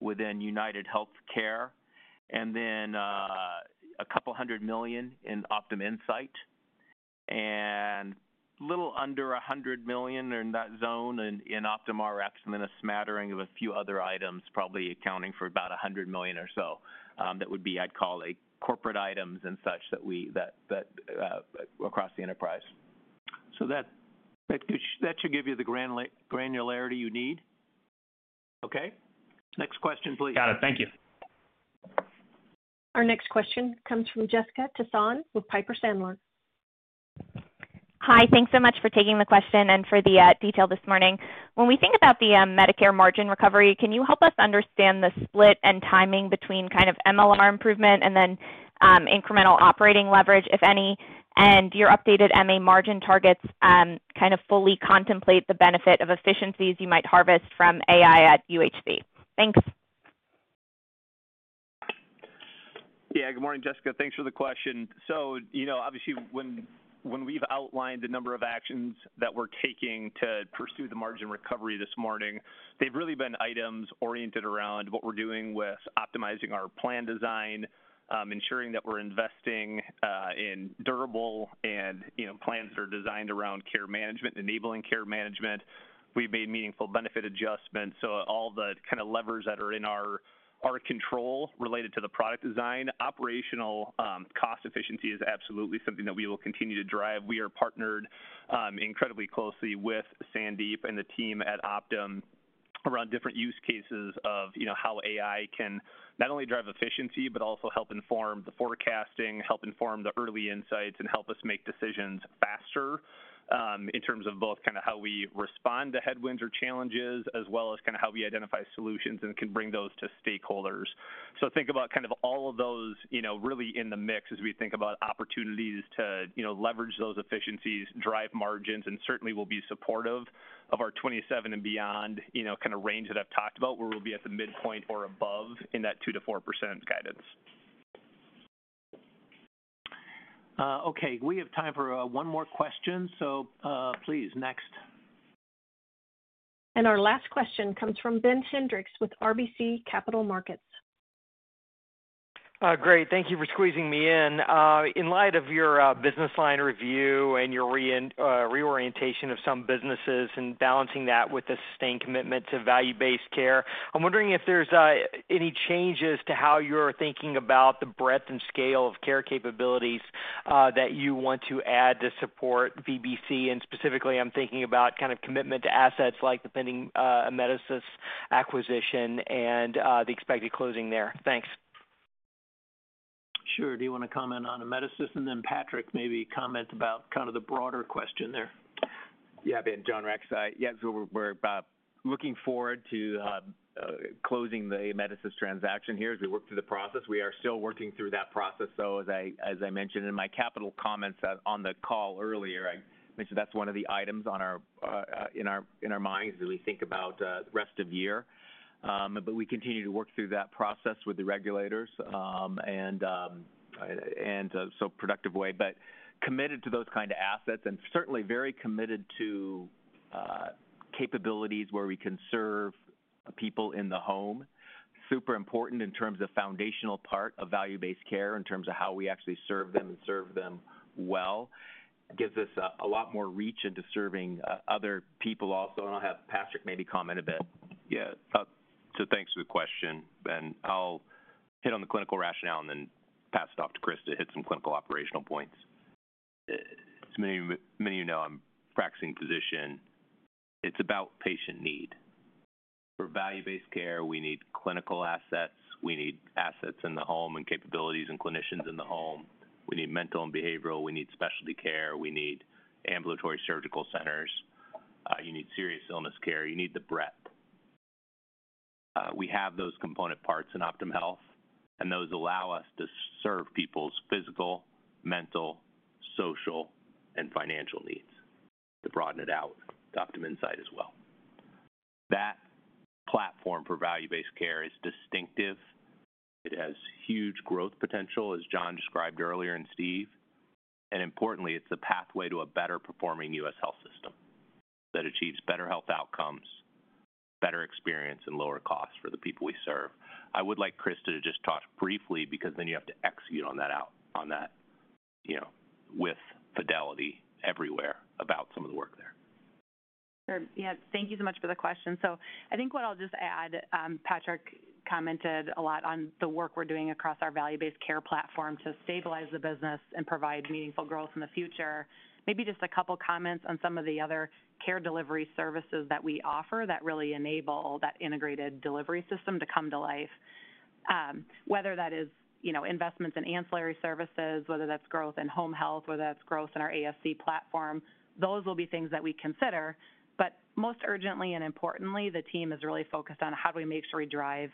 within UnitedHealthcare, and then a couple hundred million in Optum Insight, and a little under $100 million in that zone in Optum Rx, and then a smattering of a few other items probably accounting for about $100 million or so that would be, I'd call it, corporate items and such that we across the enterprise. That should give you the granularity you need. Okay. Next question, please. Got it. Thank you. Our next question comes from Jessica Tassan with Piper Sandler. Hi. Thanks so much for taking the question and for the detail this morning. When we think about the Medicare margin recovery, can you help us understand the split and timing between kind of MLR improvement and then incremental operating leverage, if any, and your updated MA margin targets kind of fully contemplate the benefit of efficiencies you might harvest from AI at UHC? Thanks. Yeah. Good morning, Jessica. Thanks for the question. Obviously, when we've outlined the number of actions that we're taking to pursue the margin recovery this morning, they've really been items oriented around what we're doing with optimizing our plan design, ensuring that we're investing in durable and plans that are designed around care management, enabling care management. We've made meaningful benefit adjustments. All the kind of levers that are in our control related to the product design, operational cost efficiency is absolutely something that we will continue to drive. We are partnered incredibly closely with Sandy and the team at Optum around different use cases of how AI can not only drive efficiency, but also help inform the forecasting, help inform the early insights, and help us make decisions faster in terms of both kind of how we respond to headwinds or challenges, as well as kind of how we identify solutions and can bring those to stakeholders. Think about kind of all of those really in the mix as we think about opportunities to leverage those efficiencies, drive margins, and certainly will be supportive of our 2027 and beyond kind of range that I've talked about where we'll be at the midpoint or above in that 2%-4% guidance. Okay. We have time for one more question. Please, next. Our last question comes from Ben Hendrix with RBC Capital Markets. Great. Thank you for squeezing me in. In light of your business line review and your reorientation of some businesses and balancing that with the sustained commitment to value-based care, I'm wondering if there's any changes to how you're thinking about the breadth and scale of care capabilities that you want to add to support VBC. Specifically, I'm thinking about kind of commitment to assets like the pending Amedisys acquisition and the expected closing there. Thanks. Sure. Do you want to comment on Amedisys? Then Patrick, maybe comment about kind of the broader question there. Yeah, Ben, John Rex. Yeah. We're looking forward to closing the Amedisys transaction here as we work through the process. We are still working through that process. As I mentioned in my capital comments on the call earlier, I mentioned that's one of the items in our minds as we think about the rest of the year. We continue to work through that process with the regulators in a productive way, but committed to those kind of assets and certainly very committed to capabilities where we can serve people in the home. Super important in terms of foundational part of value-based care in terms of how we actually serve them and serve them well. It gives us a lot more reach into serving other people also. I'll have Patrick maybe comment a bit. Yeah. Thanks for the question. I'll hit on the clinical rationale and then pass it off to Chris to hit some clinical operational points. As many of you know, I'm a practicing physician. It's about patient need. For value-based care, we need clinical assets. We need assets in the home and capabilities and clinicians in the home. We need mental and behavioral. We need specialty care. We need ambulatory surgical centers. You need serious illness care. You need the breadth. We have those component parts in Optum Health, and those allow us to serve people's physical, mental, social, and financial needs to broaden it out to Optum Insight as well. That platform for value-based care is distinctive. It has huge growth potential, as John described earlier and Steve. Importantly, it is the pathway to a better-performing U.S. health system that achieves better health outcomes, better experience, and lower costs for the people we serve. I would like Krista to just talk briefly because then you have to execute on that with fidelity everywhere about some of the work there. Yeah. Thank you so much for the question. I think what I'll just add, Patrick commented a lot on the work we're doing across our value-based care platform to stabilize the business and provide meaningful growth in the future. Maybe just a couple of comments on some of the other care delivery services that we offer that really enable that integrated delivery system to come to life. Whether that is investments in ancillary services, whether that's growth in home health, whether that's growth in our ASC platform, those will be things that we consider. Most urgently and importantly, the team is really focused on how do we make sure we drive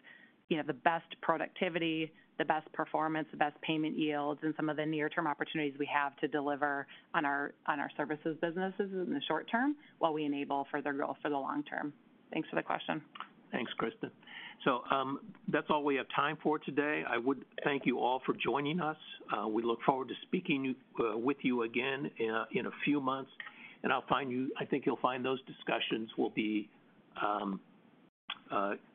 the best productivity, the best performance, the best payment yields, and some of the near-term opportunities we have to deliver on our services businesses in the short term while we enable further growth for the long term. Thanks for the question. Thanks, Krista. That is all we have time for today. I would thank you all for joining us. We look forward to speaking with you again in a few months. I think you will find those discussions will be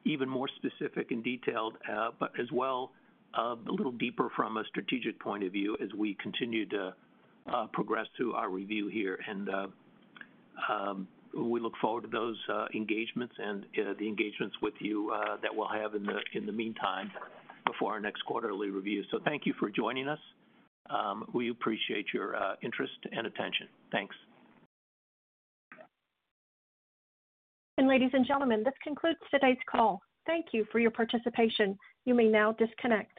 even more specific and detailed, as well as a little deeper from a strategic point of view as we continue to progress through our review here. We look forward to those engagements and the engagements with you that we will have in the meantime before our next quarterly review. Thank you for joining us. We appreciate your interest and attention. Thanks. Ladies and gentlemen, this concludes today's call. Thank you for your participation. You may now disconnect.